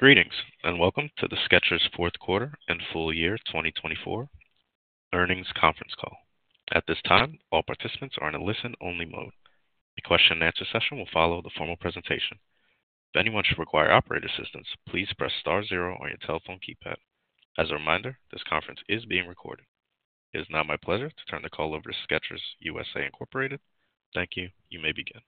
Greetings and welcome to the Skechers Fourth Quarter and Full Year 2024 Earnings Conference Call. At this time, all participants are in a listen-only mode. The question-and-answer session will follow the formal presentation. If anyone should require operator assistance, please press star zero on your telephone keypad. As a reminder, this conference is being recorded. It is now my pleasure to turn the call over to Skechers U.S.A. Incorporated. Thank you. You may begin.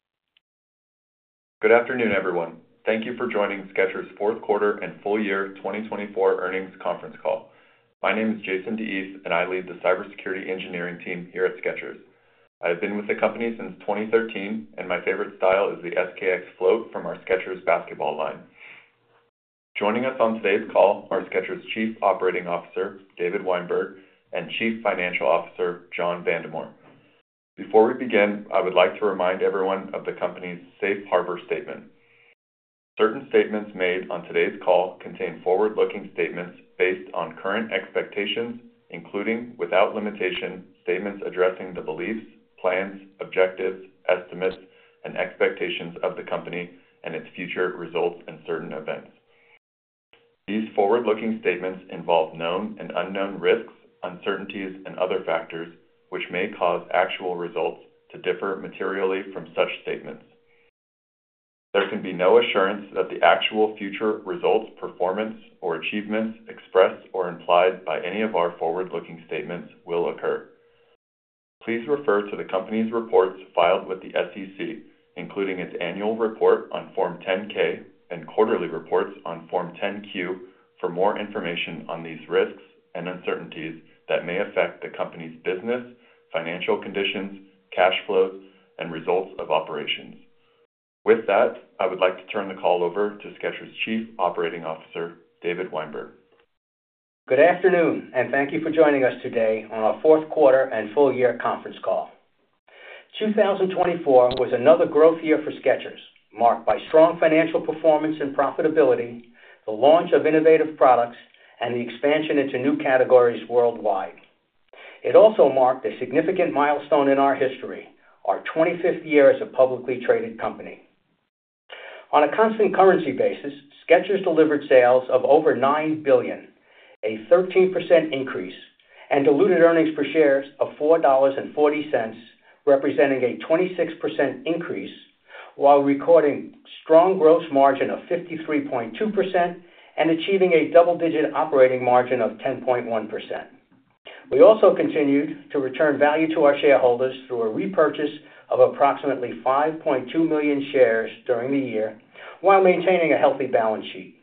Good afternoon, everyone. Thank you for joining Skechers Fourth Quarter and Full Year 2024 Earnings Conference Call. My name is Jason D'Eath, and I lead the cybersecurity engineering team here at Skechers. I have been with the company since 2013, and my favorite style is the SKX Float from our Skechers Basketball line. Joining us on today's call are Skechers Chief Operating Officer David Weinberg and Chief Financial Officer John Vandemore. Before we begin, I would like to remind everyone of the company's Safe Harbor Statement. Certain statements made on today's call contain forward-looking statements based on current expectations, including without limitation statements addressing the beliefs, plans, objectives, estimates, and expectations of the company and its future results and certain events. These forward-looking statements involve known and unknown risks, uncertainties, and other factors which may cause actual results to differ materially from such statements. There can be no assurance that the actual future results, performance, or achievements expressed or implied by any of our forward-looking statements will occur. Please refer to the company's reports filed with the SEC, including its annual report on Form 10-K and quarterly reports on Form 10-Q, for more information on these risks and uncertainties that may affect the company's business, financial conditions, cash flows, and results of operations. With that, I would like to turn the call over to Skechers Chief Operating Officer, David Weinberg. Good afternoon, and thank you for joining us today on our Fourth Quarter and Full Year Conference Call. 2024 was another growth year for Skechers, marked by strong financial performance and profitability, the launch of innovative products, and the expansion into new categories worldwide. It also marked a significant milestone in our history, our 25th year as a publicly traded company. On a constant currency basis, Skechers delivered sales of over $9 billion, a 13% increase, and diluted earnings per share of $4.40, representing a 26% increase, while recording a strong gross margin of 53.2% and achieving a double-digit operating margin of 10.1%. We also continued to return value to our shareholders through a repurchase of approximately 5.2 million shares during the year, while maintaining a healthy balance sheet.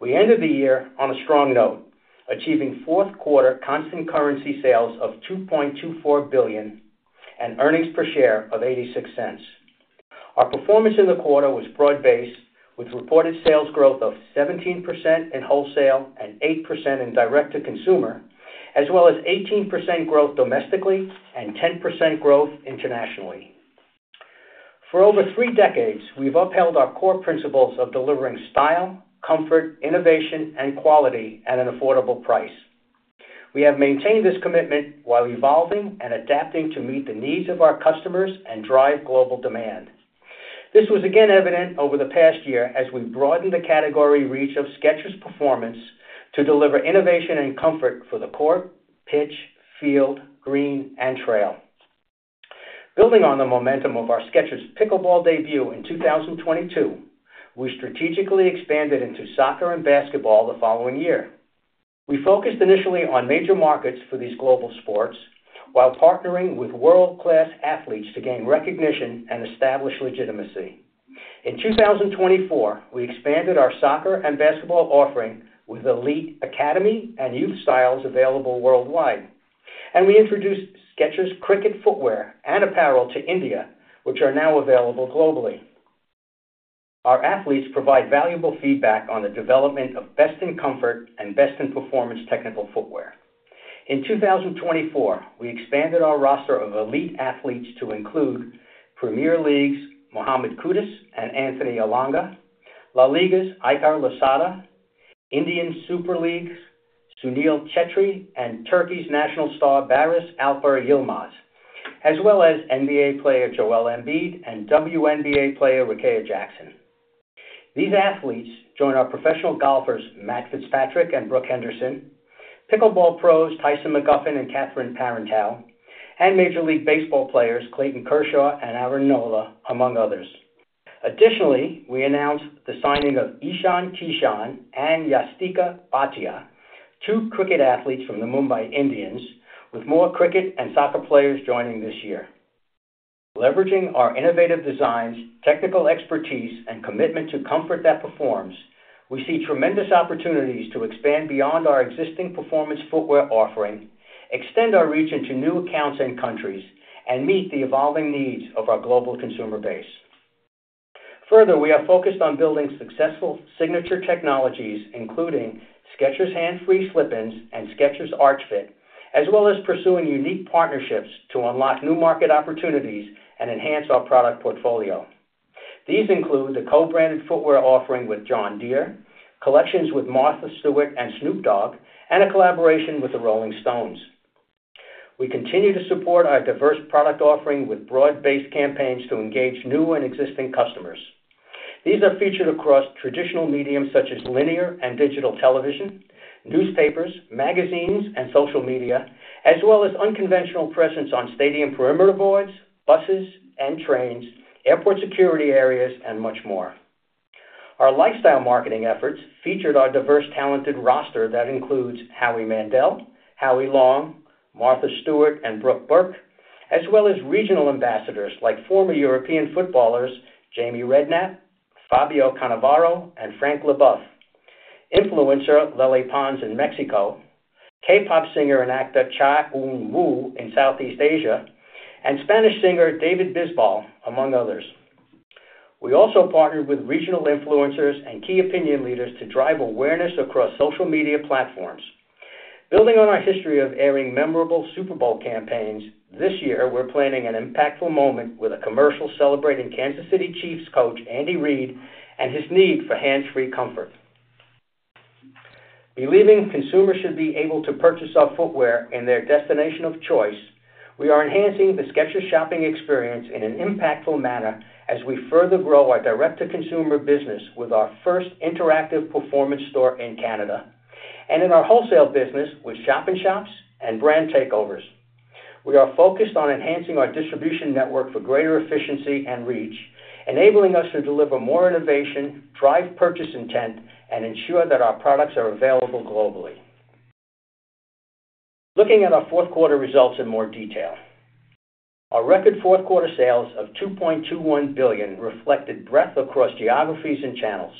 We ended the year on a strong note, achieving fourth quarter constant currency sales of $2.24 billion and earnings per share of $0.86. Our performance in the quarter was broad-based, with reported sales growth of 17% in wholesale and 8% in direct-to-consumer, as well as 18% growth domestically and 10% growth internationally. For over three decades, we've upheld our core principles of delivering style, comfort, innovation, and quality at an affordable price. We have maintained this commitment while evolving and adapting to meet the needs of our customers and drive global demand. This was again evident over the past year as we broadened the category reach of Skechers' performance to deliver innovation and comfort for the court, pitch, field, green, and trail. Building on the momentum of our Skechers Pickleball debut in 2022, we strategically expanded into soccer and basketball the following year. We focused initially on major markets for these global sports, while partnering with world-class athletes to gain recognition and establish legitimacy. In 2024, we expanded our soccer and basketball offering with elite academy and youth styles available worldwide, and we introduced Skechers' cricket footwear and apparel to India, which are now available globally. Our athletes provide valuable feedback on the development of best-in-comfort and best-in-performance technical footwear. In 2024, we expanded our roster of elite athletes to include Premier League's Mohammed Kudus and Anthony Elanga, La Liga's Aitar Lozada, Indian Super League's Sunil Chhetri, and Turkey's national star Barış Alper Yılmaz, as well as NBA player Joel Embiid and WNBA player Rickea Jackson. These athletes join our professional golfers Matt Fitzpatrick and Brooke Henderson, pickleball pros Tyson McGuffin and Catherine Parenteau, and Major League Baseball players Clayton Kershaw and Aaron Nola, among others. Additionally, we announced the signing of Ishan Kishan and Yastika Bhatia, two cricket athletes from the Mumbai Indians, with more cricket and soccer players joining this year. Leveraging our innovative designs, technical expertise, and commitment to comfort that performs, we see tremendous opportunities to expand beyond our existing performance footwear offering, extend our reach into new accounts and countries, and meet the evolving needs of our global consumer base. Further, we are focused on building successful signature technologies, including Skechers Hands Free Slip-ins and Skechers Arch Fit, as well as pursuing unique partnerships to unlock new market opportunities and enhance our product portfolio. These include the co-branded footwear offering with John Deere, collections with Martha Stewart and Snoop Dogg, and a collaboration with the Rolling Stones. We continue to support our diverse product offering with broad-based campaigns to engage new and existing customers. These are featured across traditional mediums such as linear and digital television, newspapers, magazines, and social media, as well as unconventional presence on stadium perimeter boards, buses and trains, airport security areas, and much more. Our lifestyle marketing efforts featured our diverse talented roster that includes Howie Mandel, Howie Long, Martha Stewart, and Brooke Burke, as well as regional ambassadors like former European footballers Jamie Redknapp, Fabio Cannavaro, and Frank Leboeuf, influencer Lele Pons in Mexico, K-pop singer and actor Cha Eun-woo in Southeast Asia, and Spanish singer David Bisbal, among others. We also partnered with regional influencers and key opinion leaders to drive awareness across social media platforms. Building on our history of airing memorable Super Bowl campaigns, this year we're planning an impactful moment with a commercial celebrating Kansas City Chiefs coach Andy Reid and his need for hands-free comfort. Believing consumers should be able to purchase our footwear in their destination of choice, we are enhancing the Skechers shopping experience in an impactful manner as we further grow our direct-to-consumer business with our first interactive performance store in Canada, and in our wholesale business with shopping shops and brand takeovers. We are focused on enhancing our distribution network for greater efficiency and reach, enabling us to deliver more innovation, drive purchase intent, and ensure that our products are available globally. Looking at our fourth quarter results in more detail, our record fourth quarter sales of $2.21 billion reflected breadth across geographies and channels.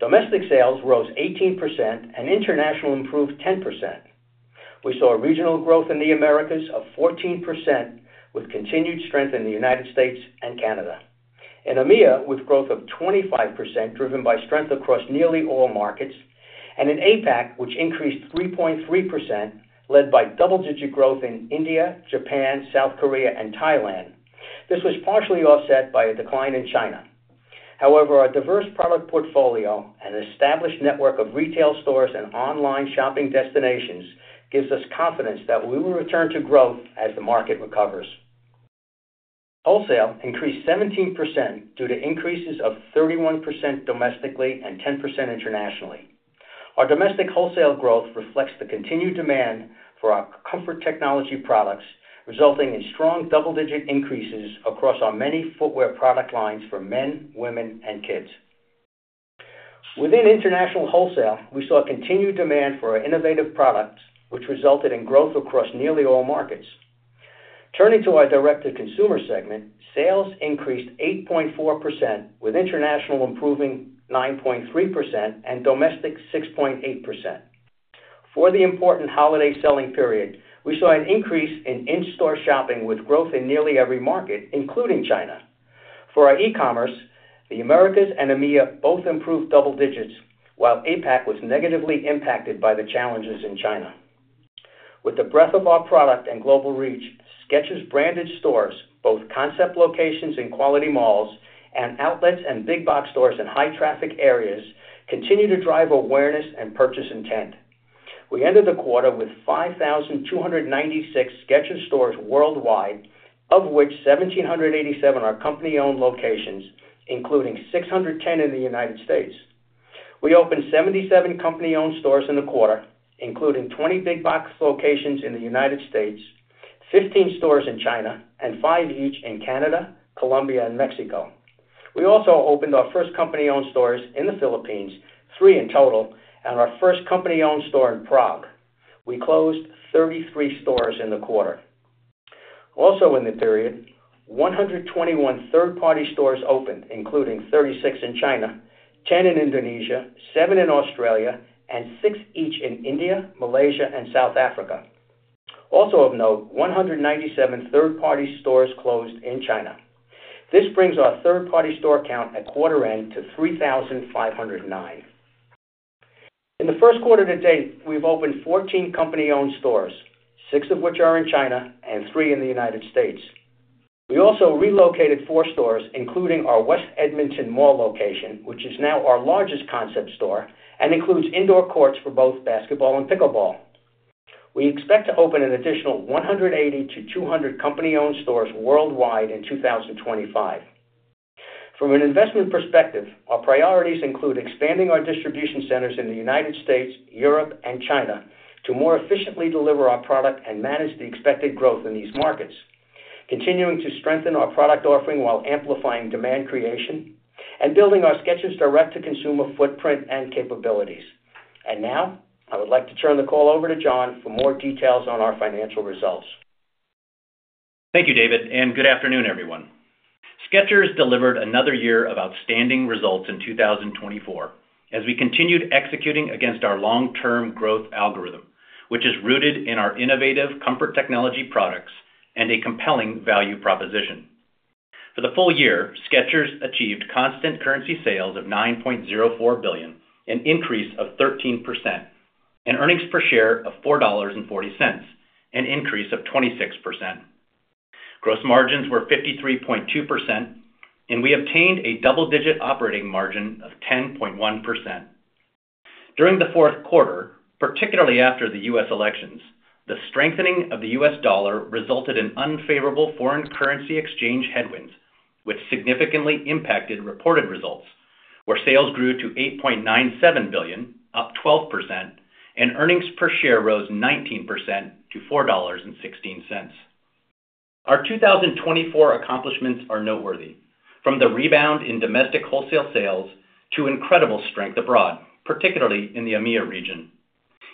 Domestic sales rose 18% and international improved 10%. We saw regional growth in the Americas of 14% with continued strength in the United States and Canada, an EMEA with growth of 25% driven by strength across nearly all markets, and an APAC which increased 3.3% led by double-digit growth in India, Japan, South Korea, and Thailand. This was partially offset by a decline in China. However, our diverse product portfolio and established network of retail stores and online shopping destinations gives us confidence that we will return to growth as the market recovers. Wholesale increased 17% due to increases of 31% domestically and 10% internationally. Our domestic wholesale growth reflects the continued demand for our comfort technology products, resulting in strong double-digit increases across our many footwear product lines for men, women, and kids. Within international wholesale, we saw continued demand for our innovative products, which resulted in growth across nearly all markets. Turning to our direct-to-consumer segment, sales increased 8.4% with international improving 9.3% and domestic 6.8%. For the important holiday selling period, we saw an increase in-store shopping with growth in nearly every market, including China. For our e-commerce, the Americas and EMEA both improved double digits, while APAC was negatively impacted by the challenges in China. With the breadth of our product and global reach, Skechers branded stores, both concept locations and quality malls, and outlets and big box stores in high-traffic areas continue to drive awareness and purchase intent. We ended the quarter with 5,296 Skechers stores worldwide, of which 1,787 are company-owned locations, including 610 in the United States. We opened 77 company-owned stores in the quarter, including 20 big box locations in the United States, 15 stores in China, and five each in Canada, Colombia, and Mexico. We also opened our first company-owned stores in the Philippines, three in total, and our first company-owned store in Prague. We closed 33 stores in the quarter. Also in the period, 121 third-party stores opened, including 36 in China, 10 in Indonesia, 7 in Australia, and 6 each in India, Malaysia, and South Africa. Also of note, 197 third-party stores closed in China. This brings our third-party store count at quarter-end to 3,509. In the first quarter to date, we've opened 14 company-owned stores, six of which are in China and three in the United States. We also relocated four stores, including our West Edmonton Mall location, which is now our largest concept store and includes indoor courts for both basketball and pickleball. We expect to open an additional 180-200 company-owned stores worldwide in 2025. From an investment perspective, our priorities include expanding our distribution centers in the United States, Europe, and China to more efficiently deliver our product and manage the expected growth in these markets, continuing to strengthen our product offering while amplifying demand creation, and building our Skechers direct-to-consumer footprint and capabilities. And now, I would like to turn the call over to John for more details on our financial results. Thank you, David, and good afternoon, everyone. Skechers delivered another year of outstanding results in 2024 as we continued executing against our long-term growth algorithm, which is rooted in our innovative comfort technology products and a compelling value proposition. For the full year, Skechers achieved constant currency sales of $9.04 billion, an increase of 13%, an earnings per share of $4.40, an increase of 26%. Gross margins were 53.2%, and we obtained a double-digit operating margin of 10.1%. During the fourth quarter, particularly after the U.S. elections, the strengthening of the U.S. dollar resulted in unfavorable foreign currency exchange headwinds, which significantly impacted reported results, where sales grew to $8.97 billion, up 12%, and earnings per share rose 19% to $4.16. Our 2024 accomplishments are noteworthy, from the rebound in domestic wholesale sales to incredible strength abroad, particularly in the EMEA region.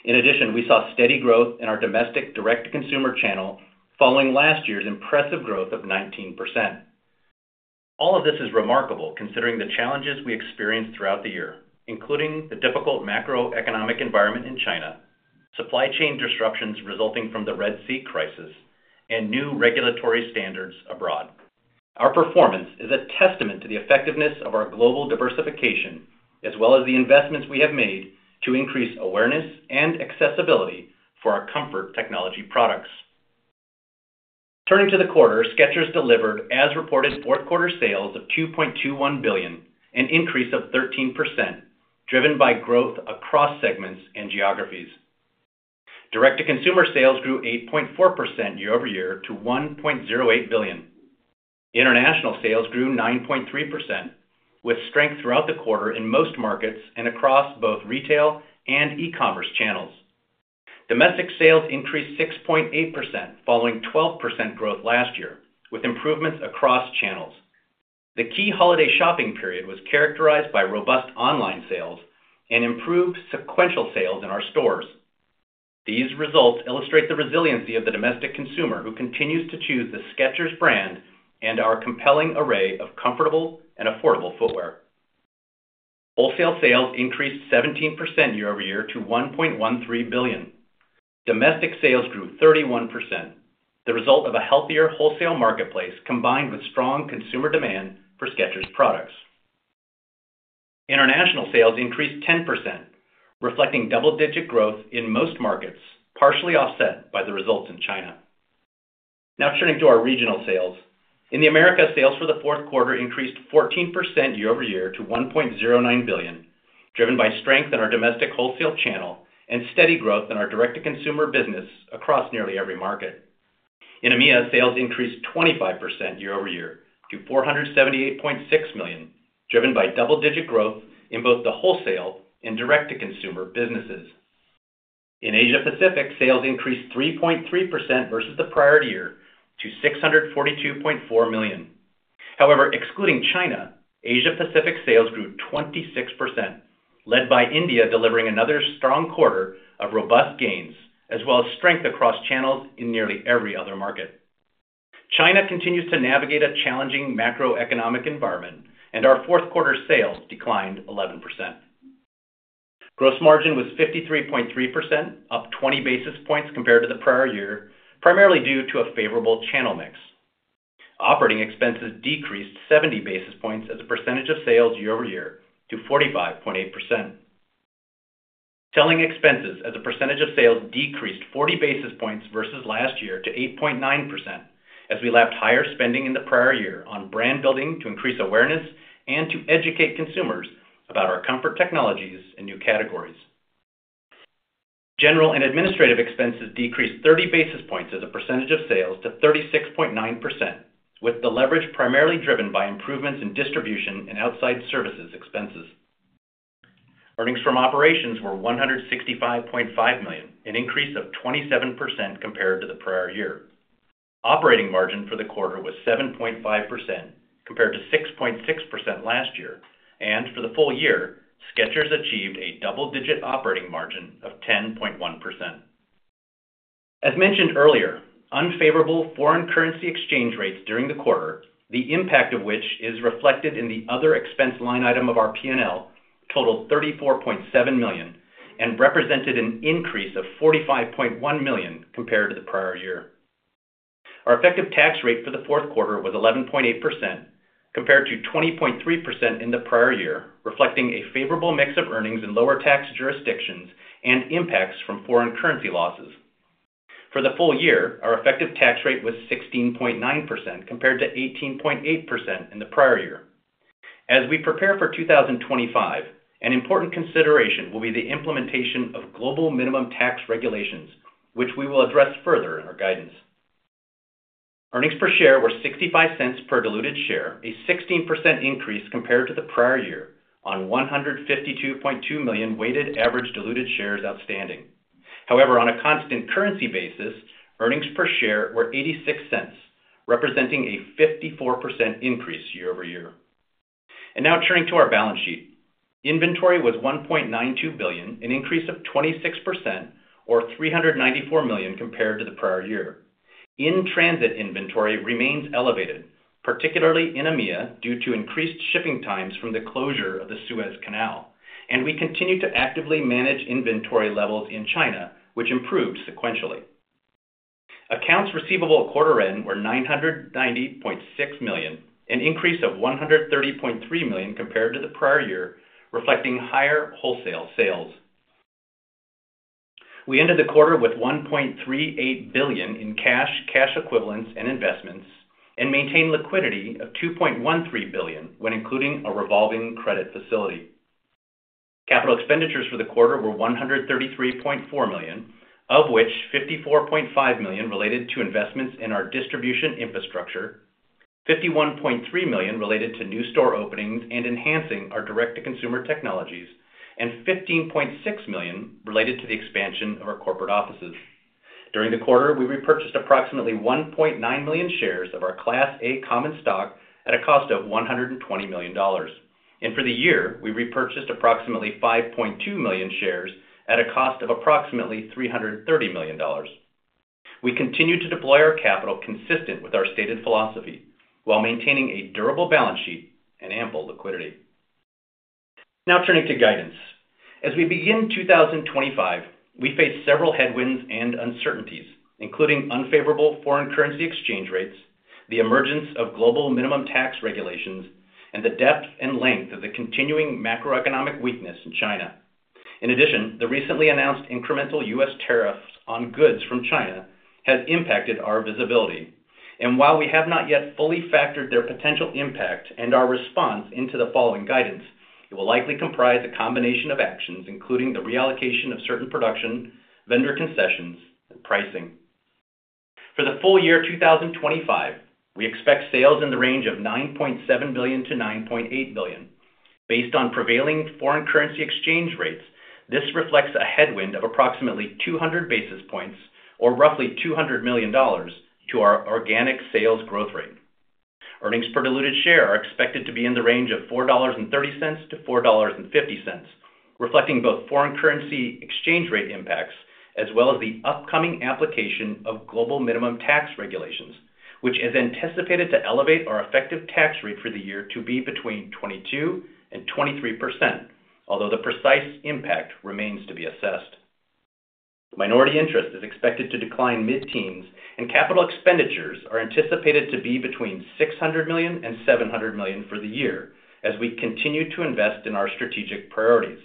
In addition, we saw steady growth in our domestic direct-to-consumer channel following last year's impressive growth of 19%. All of this is remarkable considering the challenges we experienced throughout the year, including the difficult macroeconomic environment in China, supply chain disruptions resulting from the Red Sea crisis, and new regulatory standards abroad. Our performance is a testament to the effectiveness of our global diversification, as well as the investments we have made to increase awareness and accessibility for our comfort technology products. Turning to the quarter, Skechers delivered as reported fourth quarter sales of $2.21 billion, an increase of 13%, driven by growth across segments and geographies. Direct-to-consumer sales grew 8.4% year over year to $1.08 billion. International sales grew 9.3%, with strength throughout the quarter in most markets and across both retail and e-commerce channels. Domestic sales increased 6.8% following 12% growth last year, with improvements across channels. The key holiday shopping period was characterized by robust online sales and improved sequential sales in our stores. These results illustrate the resiliency of the domestic consumer who continues to choose the Skechers brand and our compelling array of comfortable and affordable footwear. Wholesale sales increased 17% year over year to $1.13 billion. Domestic sales grew 31%, the result of a healthier wholesale marketplace combined with strong consumer demand for Skechers products. International sales increased 10%, reflecting double-digit growth in most markets, partially offset by the results in China. Now turning to our regional sales, in the Americas, sales for the fourth quarter increased 14% year over year to $1.09 billion, driven by strength in our domestic wholesale channel and steady growth in our direct-to-consumer business across nearly every market. In EMEA, sales increased 25% year-over-year to $478.6 million, driven by double-digit growth in both the wholesale and direct-to-consumer businesses. In Asia-Pacific, sales increased 3.3% versus the prior year to $642.4 million. However, excluding China, Asia-Pacific sales grew 26%, led by India delivering another strong quarter of robust gains, as well as strength across channels in nearly every other market. China continues to navigate a challenging macroeconomic environment, and our fourth quarter sales declined 11%. Gross margin was 53.3%, up 20 basis points compared to the prior year, primarily due to a favorable channel mix. Operating expenses decreased 70 basis points as a percentage of sales year-over-year to 45.8%. Selling expenses as a percentage of sales decreased 40 basis points versus last year to 8.9%, as we had higher spending in the prior year on brand building to increase awareness and to educate consumers about our comfort technologies in new categories. General and administrative expenses decreased 30 basis points as a percentage of sales to 36.9%, with the leverage primarily driven by improvements in distribution and outside services expenses. Earnings from operations were $165.5 million, an increase of 27% compared to the prior year. Operating margin for the quarter was 7.5%, compared to 6.6% last year, and for the full year, Skechers achieved a double-digit operating margin of 10.1%. As mentioned earlier, unfavorable foreign currency exchange rates during the quarter, the impact of which is reflected in the other expense line item of our P&L, totaled $34.7 million and represented an increase of $45.1 million compared to the prior year. Our effective tax rate for the fourth quarter was 11.8%, compared to 20.3% in the prior year, reflecting a favorable mix of earnings in lower tax jurisdictions and impacts from foreign currency losses. For the full year, our effective tax rate was 16.9%, compared to 18.8% in the prior year. As we prepare for 2025, an important consideration will be the implementation of global minimum tax regulations, which we will address further in our guidance. Earnings per share were $0.65 per diluted share, a 16% increase compared to the prior year on $152.2 million weighted average diluted shares outstanding. However, on a constant currency basis, earnings per share were $0.86, representing a 54% increase year over year. And now turning to our balance sheet, inventory was $1.92 billion, an increase of 26% or $394 million compared to the prior year. In-transit inventory remains elevated, particularly in EMEA due to increased shipping times from the closure of the Suez Canal, and we continue to actively manage inventory levels in China, which improved sequentially. Accounts receivable quarter-end were $990.6 million, an increase of $130.3 million compared to the prior year, reflecting higher wholesale sales. We ended the quarter with $1.38 billion in cash, cash equivalents, and investments, and maintained liquidity of $2.13 billion when including a revolving credit facility. Capital expenditures for the quarter were $133.4 million, of which $54.5 million related to investments in our distribution infrastructure, $51.3 million related to new store openings and enhancing our direct-to-consumer technologies, and $15.6 million related to the expansion of our corporate offices. During the quarter, we repurchased approximately 1.9 million shares of our Class A Common Stock at a cost of $120 million, and for the year, we repurchased approximately 5.2 million shares at a cost of approximately $330 million. We continue to deploy our capital consistent with our stated philosophy while maintaining a durable balance sheet and ample liquidity. Now turning to guidance. As we begin 2025, we face several headwinds and uncertainties, including unfavorable foreign currency exchange rates, the emergence of global minimum tax regulations, and the depth and length of the continuing macroeconomic weakness in China. In addition, the recently announced incremental U.S. Tariffs on goods from China has impacted our visibility, and while we have not yet fully factored their potential impact and our response into the following guidance, it will likely comprise a combination of actions, including the reallocation of certain production, vendor concessions, and pricing. For the full year 2025, we expect sales in the range of $9.7 billion-$9.8 billion. Based on prevailing foreign currency exchange rates, this reflects a headwind of approximately 200 basis points or roughly $200 million to our organic sales growth rate. Earnings per diluted share are expected to be in the range of $4.30-$4.50, reflecting both foreign currency exchange rate impacts as well as the upcoming application of Global Minimum Tax regulations, which is anticipated to elevate our effective tax rate for the year to be between 22% and 23%, although the precise impact remains to be assessed. Minority interest is expected to decline mid-teens, and capital expenditures are anticipated to be between $600 million and $700 million for the year as we continue to invest in our strategic priorities.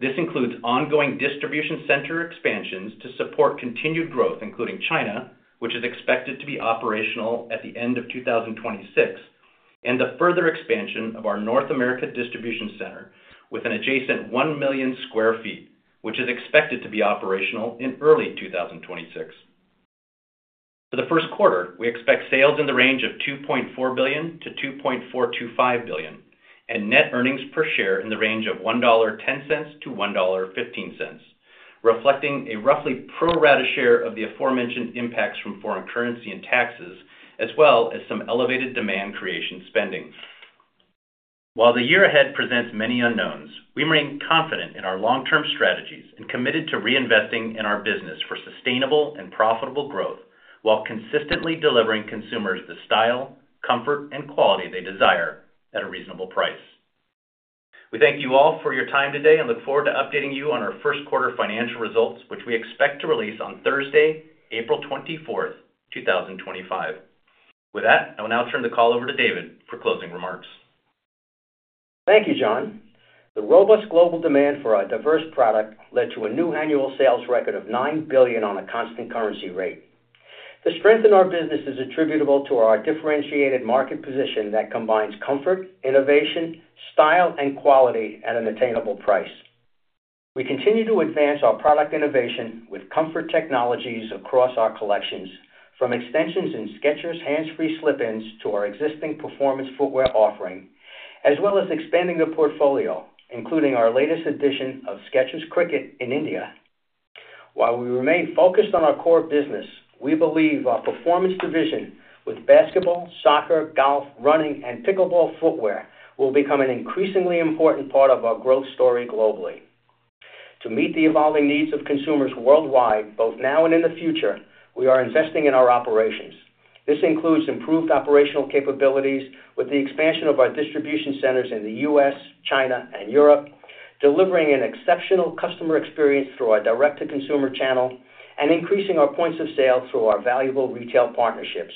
This includes ongoing distribution center expansions to support continued growth, including China, which is expected to be operational at the end of 2026, and the further expansion of our North America distribution center with an adjacent 1 million sq ft, which is expected to be operational in early 2026. For the first quarter, we expect sales in the range of $2.4 billion to $2.425 billion, and net earnings per share in the range of $1.10 to $1.15, reflecting a roughly pro rata share of the aforementioned impacts from foreign currency and taxes, as well as some elevated demand creation spending. While the year ahead presents many unknowns, we remain confident in our long-term strategies and committed to reinvesting in our business for sustainable and profitable growth while consistently delivering consumers the style, comfort, and quality they desire at a reasonable price. We thank you all for your time today and look forward to updating you on our first quarter financial results, which we expect to release on Thursday, April 24, 2025. With that, I will now turn the call over to David for closing remarks. Thank you, John. The robust global demand for our diverse product led to a new annual sales record of $9 billion on a constant currency rate. The strength in our business is attributable to our differentiated market position that combines comfort, innovation, style, and quality at an attainable price. We continue to advance our product innovation with comfort technologies across our collections, from extensions and Skechers Hands Free Slip-ins to our existing performance footwear offering, as well as expanding the portfolio, including our latest edition of Skechers Cricket in India. While we remain focused on our core business, we believe our performance division, with basketball, soccer, golf, running, and pickleball footwear, will become an increasingly important part of our growth story globally. To meet the evolving needs of consumers worldwide, both now and in the future, we are investing in our operations. This includes improved operational capabilities with the expansion of our distribution centers in the U.S., China, and Europe, delivering an exceptional customer experience through our direct-to-consumer channel and increasing our points of sale through our valuable retail partnerships.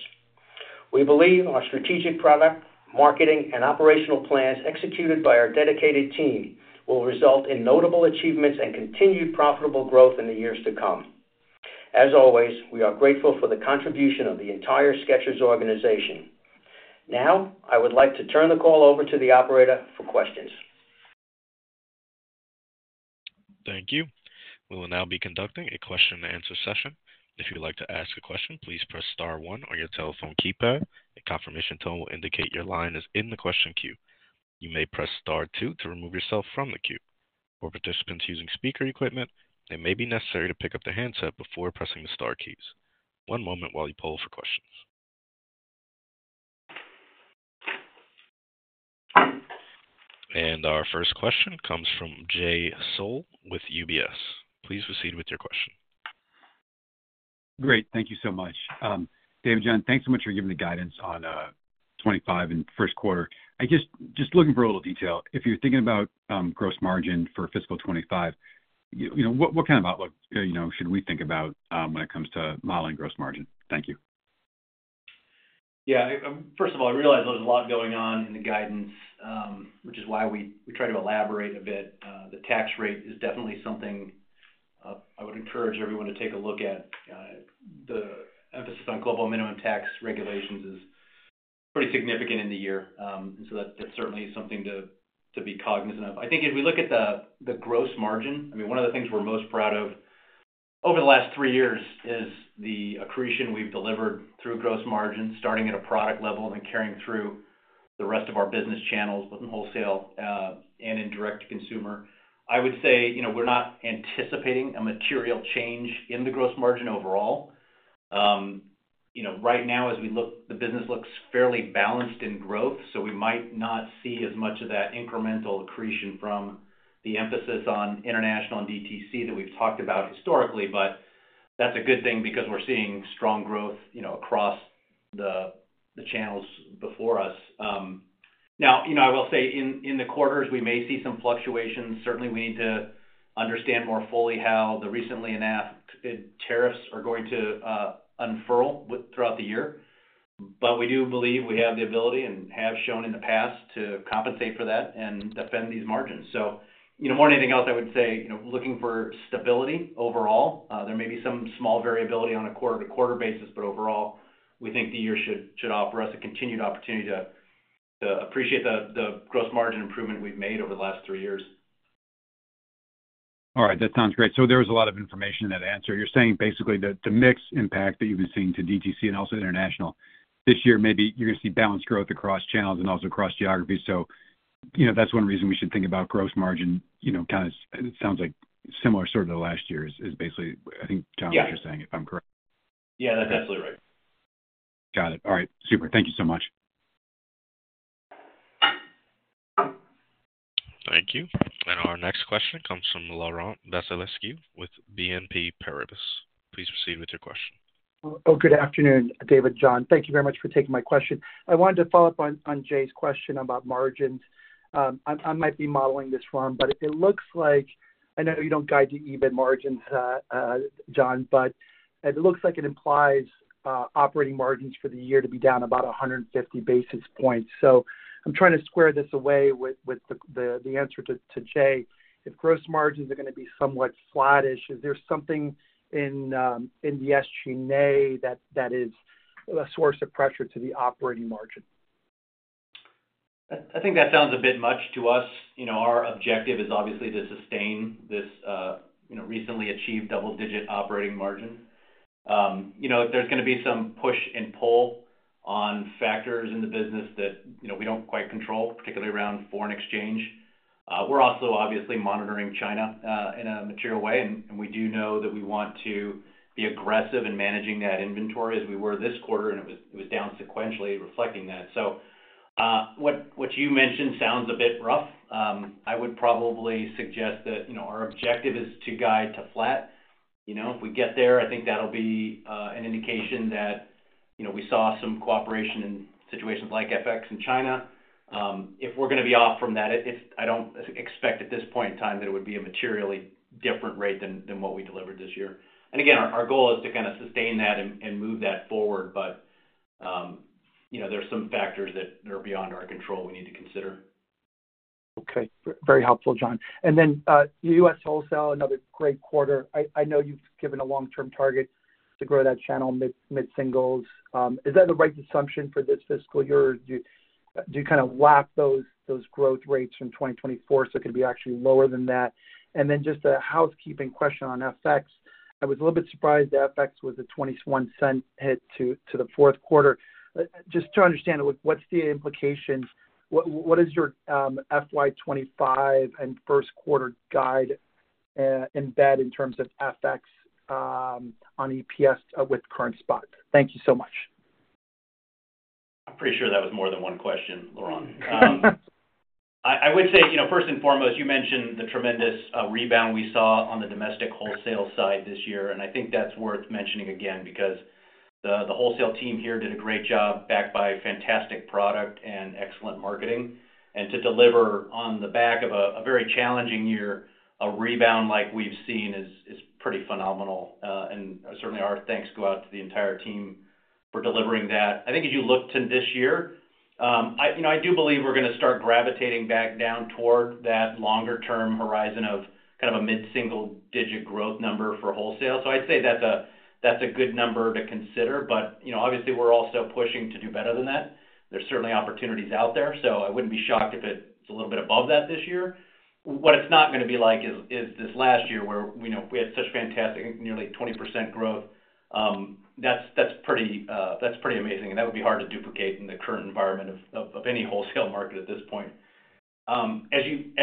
We believe our strategic product, marketing, and operational plans executed by our dedicated team will result in notable achievements and continued profitable growth in the years to come. As always, we are grateful for the contribution of the entire Skechers organization. Now, I would like to turn the call over to the operator for questions. Thank you. We will now be conducting a question-and-answer session. If you'd like to ask a question, please press Star one on your telephone keypad. A confirmation tone will indicate your line is in the question queue. You may press Star two to remove yourself from the queue. For participants using speaker equipment, it may be necessary to pick up the handset before pressing the Star keys. One moment while you poll for questions. And our first question comes from Jay Sole with UBS. Please proceed with your question. Great. Thank you so much. David, John, thanks so much for giving the guidance on 2025 and first quarter. Just looking for a little detail, if you're thinking about gross margin for fiscal 2025, what kind of outlook should we think about when it comes to modeling gross margin? Thank you. Yeah. First of all, I realize there's a lot going on in the guidance, which is why we try to elaborate a bit. The tax rate is definitely something I would encourage everyone to take a look at. The emphasis on Global Minimum Tax regulations is pretty significant in the year, and so that's certainly something to be cognizant of. I think if we look at the Gross Margin, I mean, one of the things we're most proud of over the last three years is the accretion we've delivered through Gross Margin, starting at a product level and then carrying through the rest of our business channels, both in Wholesale and in Direct-to-Consumer. I would say we're not anticipating a material change in the Gross Margin overall. Right now, as we look, the business looks fairly balanced in growth, so we might not see as much of that incremental accretion from the emphasis on international and DTC that we've talked about historically, but that's a good thing because we're seeing strong growth across the channels before us. Now, I will say in the quarters, we may see some fluctuations. Certainly, we need to understand more fully how the recently enacted tariffs are going to unfurl throughout the year, but we do believe we have the ability and have shown in the past to compensate for that and defend these margins. So more than anything else, I would say looking for stability overall. There may be some small variability on a quarter-to-quarter basis, but overall, we think the year should offer us a continued opportunity to appreciate the gross margin improvement we've made over the last three years. All right. That sounds great. So there was a lot of information in that answer. You're saying basically the mixed impact that you've been seeing to DTC and also international this year, maybe you're going to see balanced growth across channels and also across geographies. So that's one reason we should think about gross margin. Kind of sounds like similar sort of the last year is basically, I think, John, what you're saying, if I'm correct. Yeah, that's absolutely right. Got it. All right. Super. Thank you so much. Thank you. Our next question comes from Laurent Vasilescu with BNP Paribas. Please proceed with your question. Oh, good afternoon, David, John. Thank you very much for taking my question. I wanted to follow up on Jay's question about margins. I might be modeling this wrong, but it looks like I know you don't guide to EBIT margins, John, but it looks like it implies operating margins for the year to be down about 150 basis points. So I'm trying to square this away with the answer to Jay. If gross margins are going to be somewhat flatish, is there something in the SG&A that is a source of pressure to the operating margin? I think that sounds a bit much to us. Our objective is obviously to sustain this recently achieved double-digit operating margin. There's going to be some push and pull on factors in the business that we don't quite control, particularly around foreign exchange. We're also obviously monitoring China in a material way, and we do know that we want to be aggressive in managing that inventory as we were this quarter, and it was down sequentially reflecting that. So what you mentioned sounds a bit rough. I would probably suggest that our objective is to guide to flat. If we get there, I think that'll be an indication that we saw some cooperation in situations like FX in China. If we're going to be off from that, I don't expect at this point in time that it would be a materially different rate than what we delivered this year. Again, our goal is to kind of sustain that and move that forward, but there are some factors that are beyond our control we need to consider. Okay. Very helpful, John. And then U.S. Wholesale, another great quarter. I know you've given a long-term target to grow that channel mid-singles. Is that the right assumption for this fiscal year? Do you kind of lap those growth rates from 2024 so it could be actually lower than that? And then just a housekeeping question on FX. I was a little bit surprised that FX was a $0.21 hit to the fourth quarter. Just to understand, what's the implication? What does your FY 2025 and first quarter guide embed in terms of FX on EPS with current spot? Thank you so much. I'm pretty sure that was more than one question, Laurent. I would say, first and foremost, you mentioned the tremendous rebound we saw on the domestic wholesale side this year, and I think that's worth mentioning again because the wholesale team here did a great job backed by fantastic product and excellent marketing. And to deliver on the back of a very challenging year, a rebound like we've seen is pretty phenomenal. And certainly, our thanks go out to the entire team for delivering that. I think as you look to this year, I do believe we're going to start gravitating back down toward that longer-term horizon of kind of a mid-single-digit growth number for wholesale. So I'd say that's a good number to consider, but obviously, we're also pushing to do better than that. There's certainly opportunities out there, so I wouldn't be shocked if it's a little bit above that this year. What it's not going to be like is this last year where we had such fantastic nearly 20% growth. That's pretty amazing, and that would be hard to duplicate in the current environment of any wholesale market at this point. As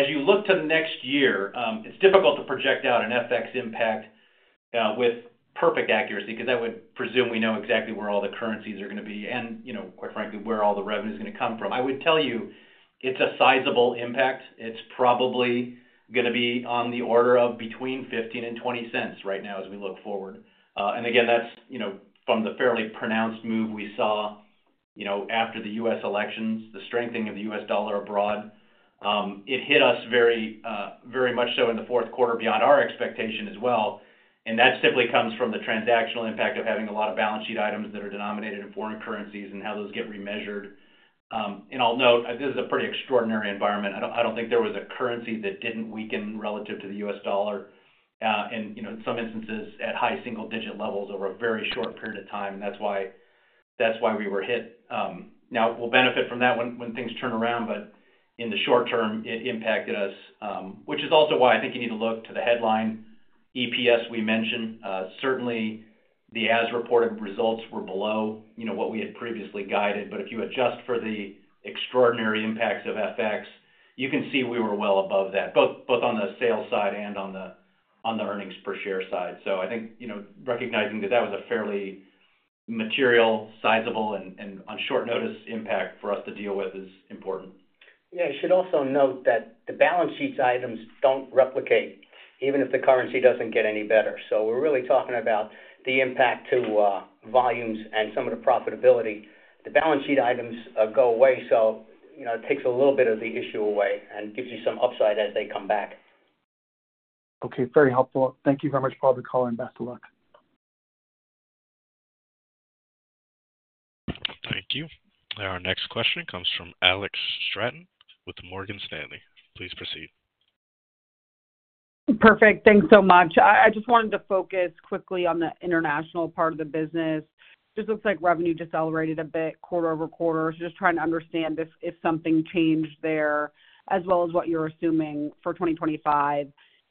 you look to the next year, it's difficult to project out an FX impact with perfect accuracy because I would presume we know exactly where all the currencies are going to be and, quite frankly, where all the revenue is going to come from. I would tell you it's a sizable impact. It's probably going to be on the order of between $0.15 and $0.20 right now as we look forward. And again, that's from the fairly pronounced move we saw after the U.S. Elections, the strengthening of the U.S. dollar abroad. It hit us very much so in the fourth quarter beyond our expectation as well. And that simply comes from the transactional impact of having a lot of balance sheet items that are denominated in foreign currencies and how those get remeasured. And I'll note this is a pretty extraordinary environment. I don't think there was a currency that didn't weaken relative to the U.S. dollar in some instances at high single-digit levels over a very short period of time, and that's why we were hit. Now, we'll benefit from that when things turn around, but in the short term, it impacted us, which is also why I think you need to look to the headline EPS we mentioned. Certainly, the as-reported results were below what we had previously guided, but if you adjust for the extraordinary impacts of FX, you can see we were well above that, both on the sales side and on the earnings per share side. So I think recognizing that that was a fairly material, sizable, and on short notice impact for us to deal with is important. Yeah. I should also note that the balance sheet items don't replicate even if the currency doesn't get any better. So we're really talking about the impact to volumes and some of the profitability. The balance sheet items go away, so it takes a little bit of the issue away and gives you some upside as they come back. Okay. Very helpful. Thank you very much, probably calling back. Best of luck. Thank you. And our next question comes from Alex Straton with Morgan Stanley. Please proceed. Perfect. Thanks so much. I just wanted to focus quickly on the international part of the business. Just looks like revenue decelerated a bit quarter over quarter. So just trying to understand if something changed there, as well as what you're assuming for 2025.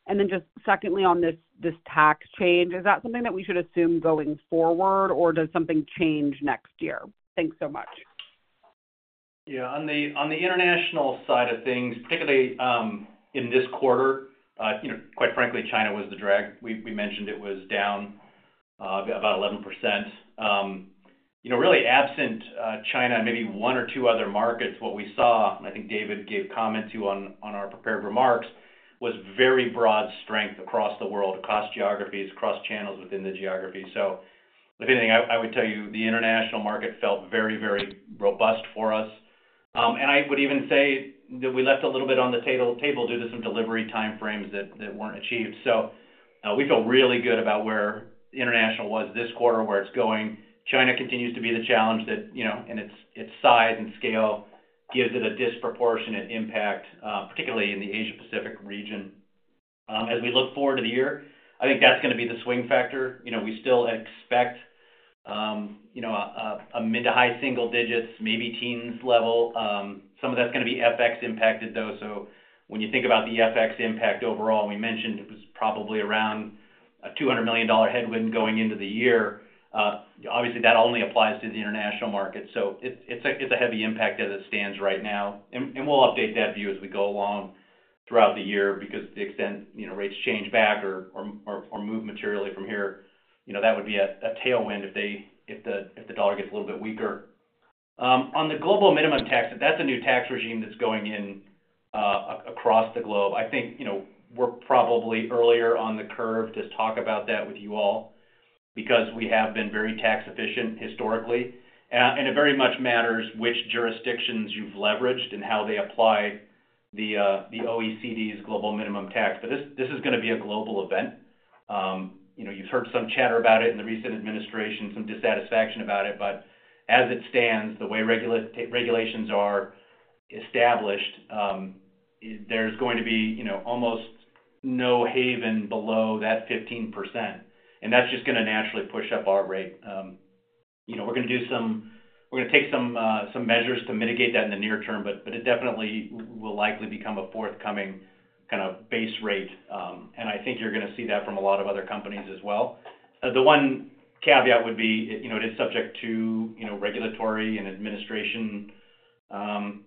And then just secondly, on this tax change, is that something that we should assume going forward, or does something change next year? Thanks so much. Yeah. On the international side of things, particularly in this quarter, quite frankly, China was the drag. We mentioned it was down about 11%. Really, absent China, maybe one or two other markets, what we saw, and I think David gave comment to on our prepared remarks, was very broad strength across the world, across geographies, across channels within the geography. So if anything, I would tell you the international market felt very, very robust for us. And I would even say that we left a little bit on the table due to some delivery timeframes that weren't achieved. So we feel really good about where international was this quarter, where it's going. China continues to be the challenge that, and its size and scale gives it a disproportionate impact, particularly in the Asia-Pacific region. As we look forward to the year, I think that's going to be the swing factor. We still expect a mid- to high-single-digits, maybe teens level. Some of that's going to be FX impacted, though. So when you think about the FX impact overall, we mentioned it was probably around a $200 million headwind going into the year. Obviously, that only applies to the international market. So it's a heavy impact as it stands right now, and we'll update that view as we go along throughout the year because the exchange rates change back or move materially from here, that would be a tailwind if the dollar gets a little bit weaker. On the Global Minimum Tax, that's a new tax regime that's going in across the globe. I think we're probably earlier on the curve to talk about that with you all because we have been very tax efficient historically, and it very much matters which jurisdictions you've leveraged and how they apply the OECD's global minimum tax, but this is going to be a global event. You've heard some chatter about it in the recent administration, some dissatisfaction about it, but as it stands, the way regulations are established, there's going to be almost no haven below that 15%, and that's just going to naturally push up our rate. We're going to take some measures to mitigate that in the near term, but it definitely will likely become a forthcoming kind of base rate, and I think you're going to see that from a lot of other companies as well. The one caveat would be it is subject to regulatory and administration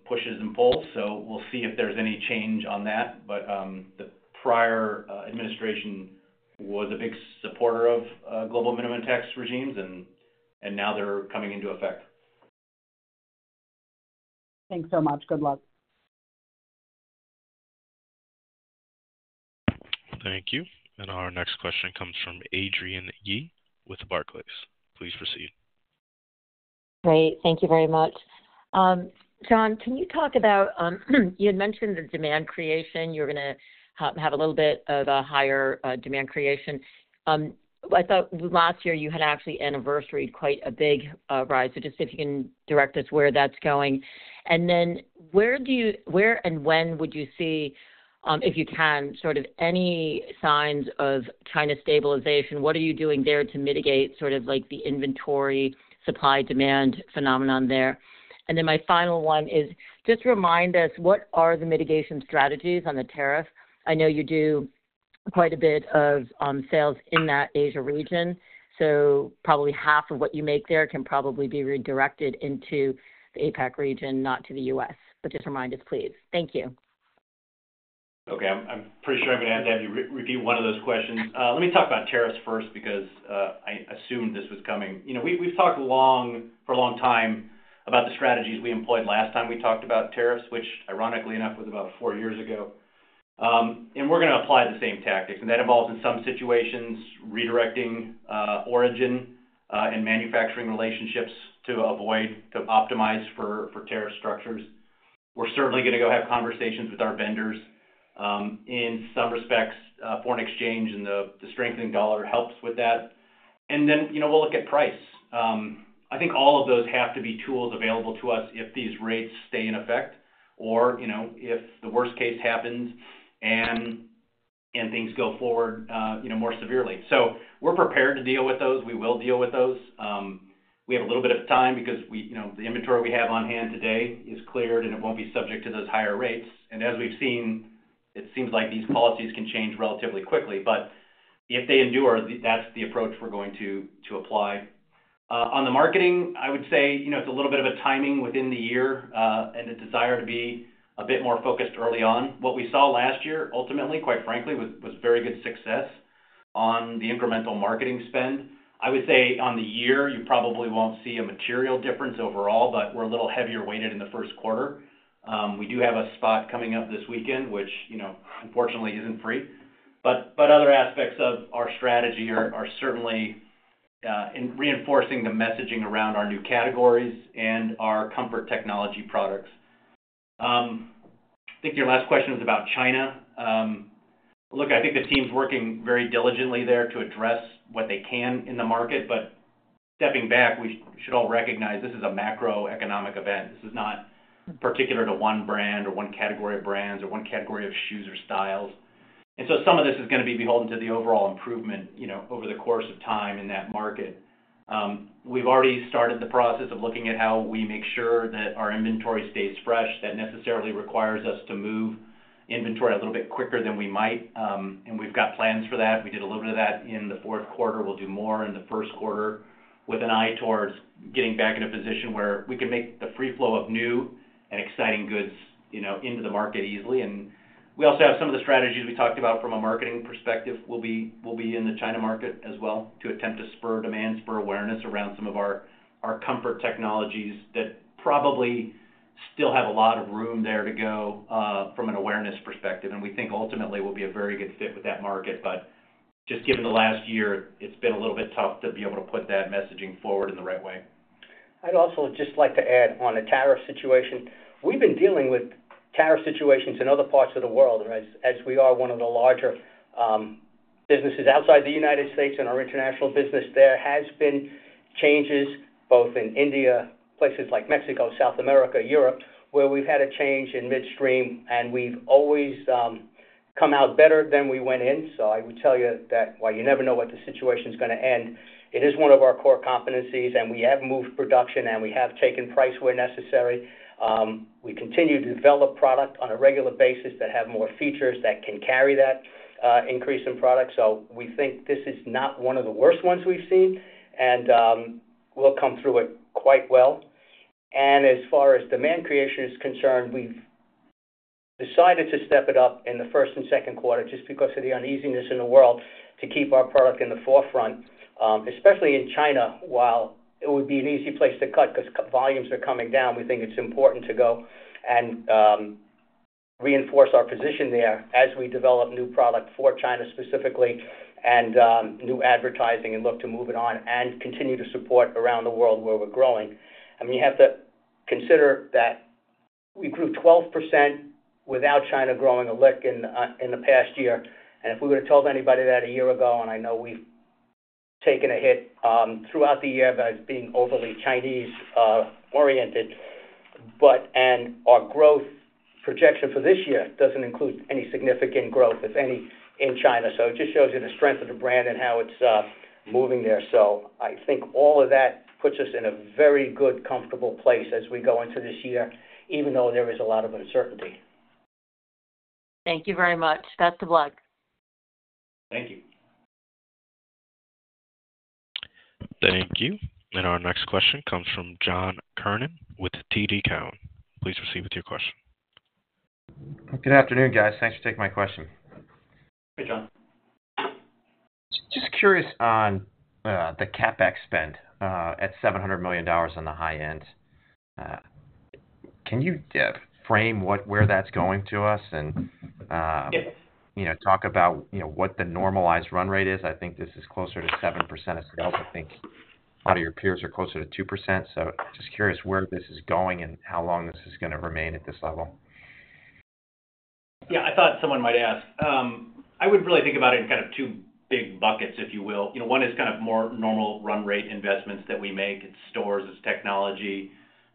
pushes and pulls. So we'll see if there's any change on that. But the prior administration was a big supporter of global minimum tax regimes, and now they're coming into effect. Thanks so much. Good luck. Thank you. Our next question comes from Adrienne Yih with Barclays. Please proceed. Great. Thank you very much. John, can you talk about you had mentioned the demand creation. You were going to have a little bit of a higher demand creation. I thought last year you had actually announced quite a big rise. So just if you can direct us where that's going. And then where and when would you see, if you can, sort of any signs of China stabilization? What are you doing there to mitigate sort of the inventory supply demand phenomenon there? And then my final one is just remind us, what are the mitigation strategies on the tariff? I know you do quite a bit of sales in that Asia region. So probably half of what you make there can probably be redirected into the APAC region, not to the U.S. But just remind us, please. Thank you. Okay. I'm pretty sure I'm going to have to have you repeat one of those questions. Let me talk about tariffs first because I assumed this was coming. We've talked for a long time about the strategies we employed last time we talked about tariffs, which, ironically enough, was about four years ago. And we're going to apply the same tactics. And that involves, in some situations, redirecting origin and manufacturing relationships to optimize for tariff structures. We're certainly going to go have conversations with our vendors. In some respects, foreign exchange and the strengthening dollar helps with that. And then we'll look at price. I think all of those have to be tools available to us if these rates stay in effect or if the worst case happens and things go forward more severely. So we're prepared to deal with those. We will deal with those. We have a little bit of time because the inventory we have on hand today is cleared, and it won't be subject to those higher rates, and as we've seen, it seems like these policies can change relatively quickly, but if they endure, that's the approach we're going to apply. On the marketing, I would say it's a little bit of a timing within the year and a desire to be a bit more focused early on. What we saw last year, ultimately, quite frankly, was very good success on the incremental marketing spend. I would say on the year, you probably won't see a material difference overall, but we're a little heavier weighted in the first quarter. We do have a spot coming up this weekend, which, unfortunately, isn't free. But other aspects of our strategy are certainly reinforcing the messaging around our new categories and our comfort technology products. I think your last question was about China. Look, I think the team's working very diligently there to address what they can in the market. But stepping back, we should all recognize this is a macroeconomic event. This is not particular to one brand or one category of brands or one category of shoes or styles. And so some of this is going to be beholden to the overall improvement over the course of time in that market. We've already started the process of looking at how we make sure that our inventory stays fresh. That necessarily requires us to move inventory a little bit quicker than we might. And we've got plans for that. We did a little bit of that in the fourth quarter. We'll do more in the first quarter with an eye towards getting back in a position where we can make the free flow of new and exciting goods into the market easily, and we also have some of the strategies we talked about from a marketing perspective. We'll be in the China market as well to attempt to spur demand, spur awareness around some of our comfort technologies that probably still have a lot of room there to go from an awareness perspective, and we think ultimately will be a very good fit with that market, but just given the last year, it's been a little bit tough to be able to put that messaging forward in the right way. I'd also just like to add on the tariff situation. We've been dealing with tariff situations in other parts of the world, and as we are one of the larger businesses outside the United States in our international business, there have been changes both in India, places like Mexico, South America, Europe, where we've had a change in midstream, and we've always come out better than we went in, so I would tell you that while you never know what the situation's going to end, it is one of our core competencies, and we have moved production, and we have taken price where necessary. We continue to develop product on a regular basis that have more features that can carry that increase in product, so we think this is not one of the worst ones we've seen, and we'll come through it quite well. As far as demand creation is concerned, we've decided to step it up in the first and second quarter just because of the uneasiness in the world to keep our product in the forefront, especially in China, while it would be an easy place to cut because volumes are coming down. We think it's important to go and reinforce our position there as we develop new product for China specifically and new advertising and look to move it on and continue to support around the world where we're growing. I mean, you have to consider that we grew 12% without China growing a lick in the past year. If we would have told anybody that a year ago, and I know we've taken a hit throughout the year by being overly Chinese-oriented, and our growth projection for this year doesn't include any significant growth, if any, in China. So it just shows you the strength of the brand and how it's moving there. So I think all of that puts us in a very good, comfortable place as we go into this year, even though there is a lot of uncertainty. Thank you very much. Best of luck. Thank you. Thank you. And our next question comes from John Kernan with TD Cowen. Please proceed with your question. Good afternoon, guys. Thanks for taking my question. Hey, John. Just curious on the CapEx spend at $700 million on the high end. Can you frame where that's going to us and talk about what the normalized run rate is? I think this is closer to 7% of sales. I think a lot of your peers are closer to 2%. So just curious where this is going and how long this is going to remain at this level. Yeah. I thought someone might ask. I would really think about it in kind of two big buckets, if you will. One is kind of more normal run rate investments that we make. It's stores. It's technology.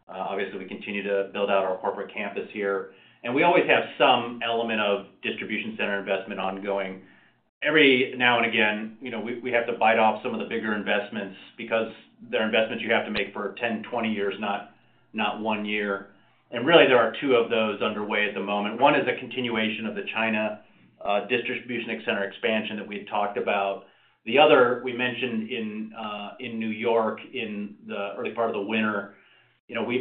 Obviously, we continue to build out our corporate campus here. And we always have some element of distribution center investment ongoing. Every now and again, we have to bite off some of the bigger investments because they're investments you have to make for 10, 20 years, not one year. And really, there are two of those underway at the moment. One is a continuation of the China distribution center expansion that we had talked about. The other we mentioned in New York in the early part of the winter.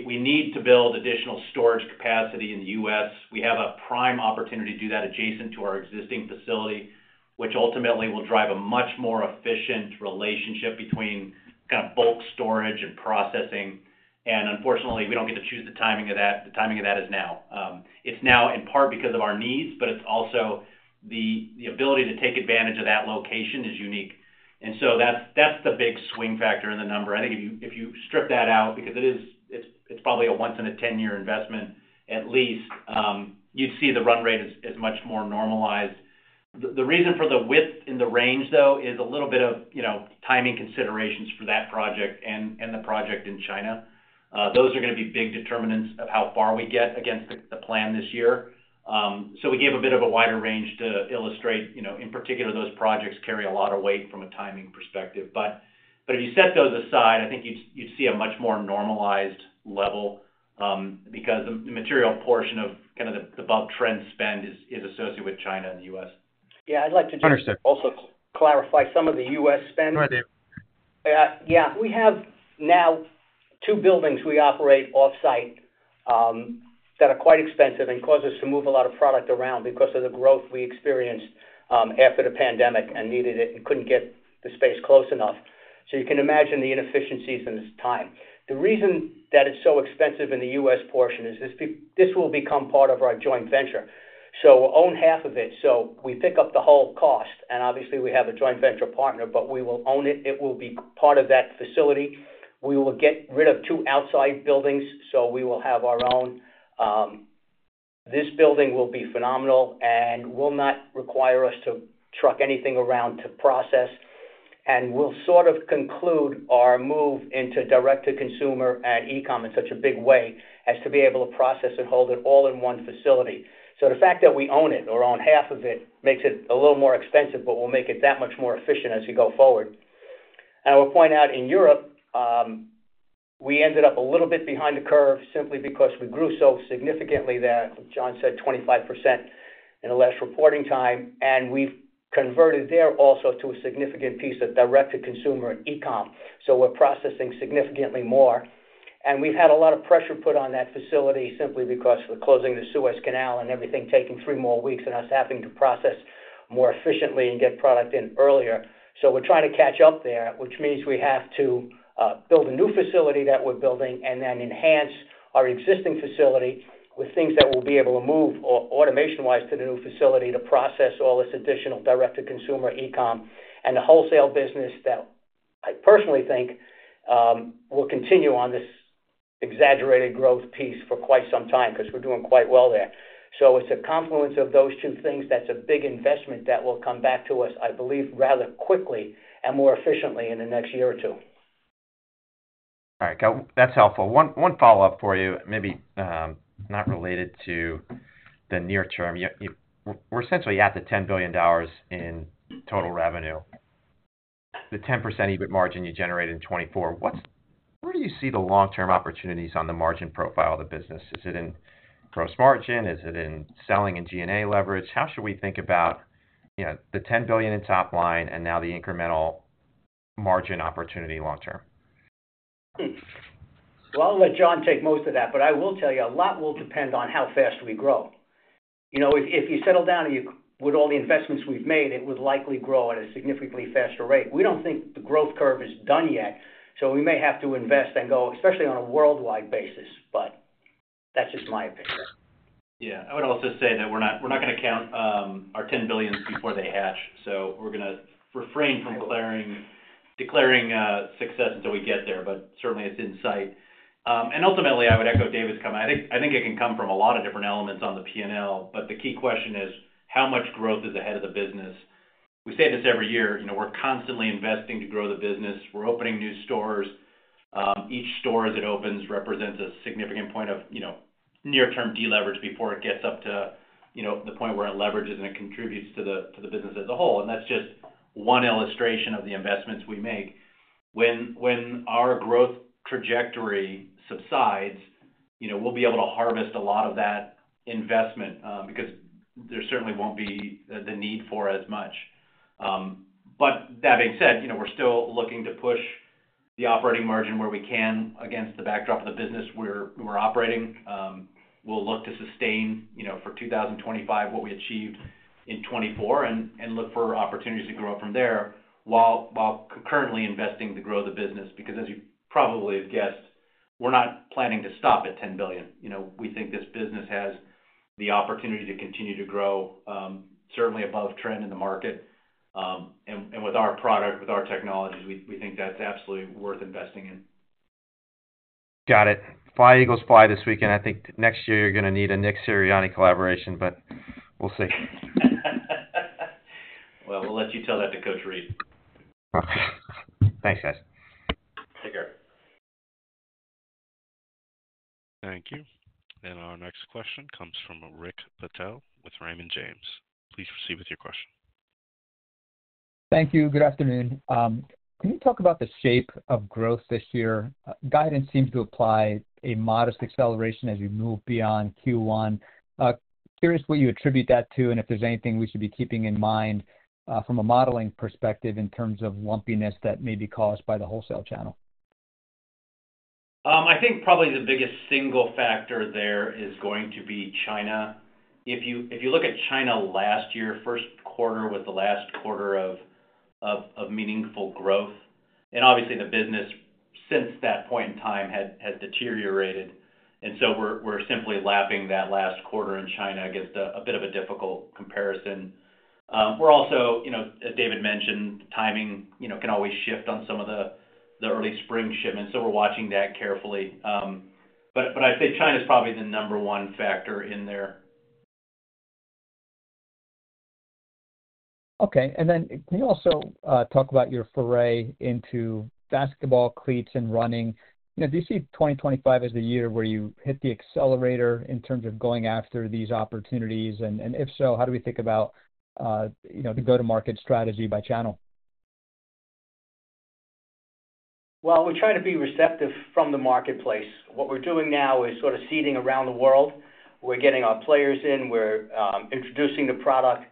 We need to build additional storage capacity in the U.S. We have a prime opportunity to do that adjacent to our existing facility, which ultimately will drive a much more efficient relationship between kind of bulk storage and processing. And unfortunately, we don't get to choose the timing of that. The timing of that is now. It's now in part because of our needs, but it's also the ability to take advantage of that location is unique. And so that's the big swing factor in the number. I think if you strip that out, because it's probably a once in a 10-year investment at least, you'd see the run rate as much more normalized. The reason for the width in the range, though, is a little bit of timing considerations for that project and the project in China. Those are going to be big determinants of how far we get against the plan this year. So we gave a bit of a wider range to illustrate. In particular, those projects carry a lot of weight from a timing perspective. But if you set those aside, I think you'd see a much more normalized level because the material portion of kind of the bulk trend spend is associated with China and the U.S. Yeah. I'd like to just also clarify some of the U.S. spend. Go ahead, David. Yeah. We have now two buildings we operate off-site that are quite expensive and cause us to move a lot of product around because of the growth we experienced after the pandemic and needed it and couldn't get the space close enough. So you can imagine the inefficiencies in this time. The reason that it's so expensive in the U.S. portion is this will become part of our joint venture. So we'll own half of it. So we pick up the whole cost. And obviously, we have a joint venture partner, but we will own it. It will be part of that facility. We will get rid of two outside buildings, so we will have our own. This building will be phenomenal and will not require us to truck anything around to process. And we'll sort of conclude our move into direct-to-consumer and e-comm in such a big way as to be able to process and hold it all in one facility. So the fact that we own it or own half of it makes it a little more expensive, but we'll make it that much more efficient as we go forward. And I will point out in Europe, we ended up a little bit behind the curve simply because we grew so significantly that, like John said, 25% in the last reporting time. And we've converted there also to a significant piece of direct-to-consumer and e-comm. So we're processing significantly more. And we've had a lot of pressure put on that facility simply because of the closing of the Suez Canal and everything taking three more weeks and us having to process more efficiently and get product in earlier. So we're trying to catch up there, which means we have to build a new facility that we're building and then enhance our existing facility with things that we'll be able to move automation-wise to the new facility to process all this additional direct-to-consumer e-comm and the wholesale business that I personally think will continue on this exaggerated growth piece for quite some time because we're doing quite well there. So it's a confluence of those two things. That's a big investment that will come back to us, I believe, rather quickly and more efficiently in the next year or two. All right. That's helpful. One follow-up for you, maybe not related to the near term. We're essentially at the $10 billion in total revenue, the 10% EBIT margin you generated in 2024. Where do you see the long-term opportunities on the margin profile of the business? Is it in gross margin? Is it in selling and G&A leverage? How should we think about the $10 billion in top line and now the incremental margin opportunity long-term? I'll let John take most of that. I will tell you, a lot will depend on how fast we grow. If you settle down with all the investments we've made, it would likely grow at a significantly faster rate. We don't think the growth curve is done yet. we may have to invest and go, especially on a worldwide basis. that's just my opinion. Yeah. I would also say that we're not going to count our $10 billion before they hatch. So we're going to refrain from declaring success until we get there. But certainly, it's in sight. And ultimately, I would echo David's comment. I think it can come from a lot of different elements on the P&L. But the key question is, how much growth is ahead of the business? We say this every year. We're constantly investing to grow the business. We're opening new stores. Each store as it opens represents a significant point of near-term deleverage before it gets up to the point where it leverages and it contributes to the business as a whole. And that's just one illustration of the investments we make. When our growth trajectory subsides, we'll be able to harvest a lot of that investment because there certainly won't be the need for as much. But that being said, we're still looking to push the operating margin where we can against the backdrop of the business we're operating. We'll look to sustain for 2025 what we achieved in 2024 and look for opportunities to grow up from there while concurrently investing to grow the business. Because as you probably have guessed, we're not planning to stop at $10 billion. We think this business has the opportunity to continue to grow, certainly above trend in the market. And with our product, with our technologies, we think that's absolutely worth investing in. Got it. Fly, Eagles, fly this weekend. I think next year you're going to need a Nick Sirianni collaboration, but we'll see. We'll let you tell that to Coach Reid. Thanks, guys. Take care. Thank you. And our next question comes from Rick Patel with Raymond James. Please proceed with your question. Thank you. Good afternoon. Can you talk about the shape of growth this year? Guidance seems to apply a modest acceleration as you move beyond Q1. Curious what you attribute that to and if there's anything we should be keeping in mind from a modeling perspective in terms of lumpiness that may be caused by the wholesale channel. I think probably the biggest single factor there is going to be China. If you look at China last year, first quarter was the last quarter of meaningful growth. And obviously, the business since that point in time has deteriorated. And so we're simply lapping that last quarter in China against a bit of a difficult comparison. We're also, as David mentioned, timing can always shift on some of the early spring shipments. So we're watching that carefully. But I'd say China is probably the number one factor in there. Okay. And then can you also talk about your foray into basketball, cleats, and running? Do you see 2025 as the year where you hit the accelerator in terms of going after these opportunities? And if so, how do we think about the go-to-market strategy by channel? We try to be receptive from the marketplace. What we're doing now is sort of seeding around the world. We're getting our players in. We're introducing the product.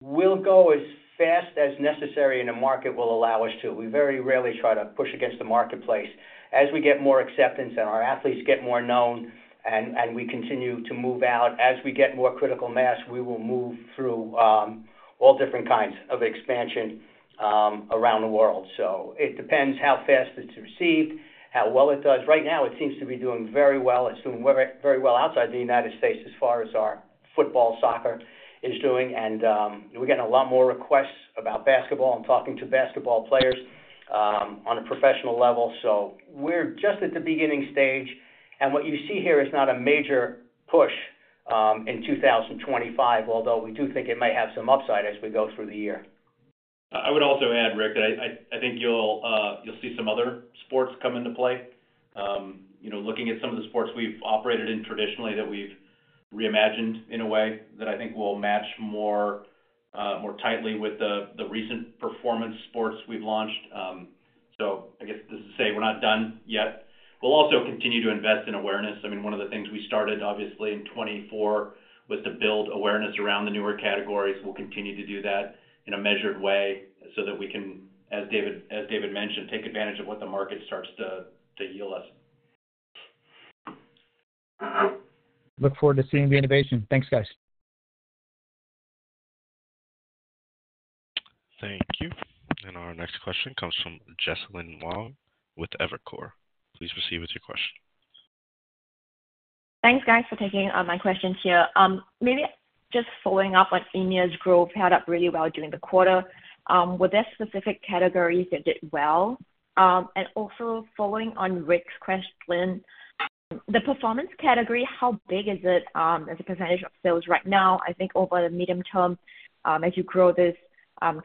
We'll go as fast as necessary in a market will allow us to. We very rarely try to push against the marketplace. As we get more acceptance and our athletes get more known and we continue to move out, as we get more critical mass, we will move through all different kinds of expansion around the world. So it depends how fast it's received, how well it does. Right now, it seems to be doing very well. It's doing very well outside the United States as far as our football, soccer is doing. And we're getting a lot more requests about basketball and talking to basketball players on a professional level. So we're just at the beginning stage. What you see here is not a major push in 2025, although we do think it may have some upside as we go through the year. I would also add, Rick, that I think you'll see some other sports come into play. Looking at some of the sports we've operated in traditionally that we've reimagined in a way that I think will match more tightly with the recent performance sports we've launched. So I guess this is to say we're not done yet. We'll also continue to invest in awareness. I mean, one of the things we started, obviously, in 2024 was to build awareness around the newer categories. We'll continue to do that in a measured way so that we can, as David mentioned, take advantage of what the market starts to yield us. Look forward to seeing the innovation. Thanks, guys. Thank you. And our next question comes from Jesalyn Wong with Evercore. Please proceed with your question. Thanks, guys, for taking my questions here. Maybe just following up on EMEA's growth, held up really well during the quarter. Were there specific categories that did well? And also following on Rick's question, the performance category, how big is it as a percentage of sales right now? I think over the medium term, as you grow this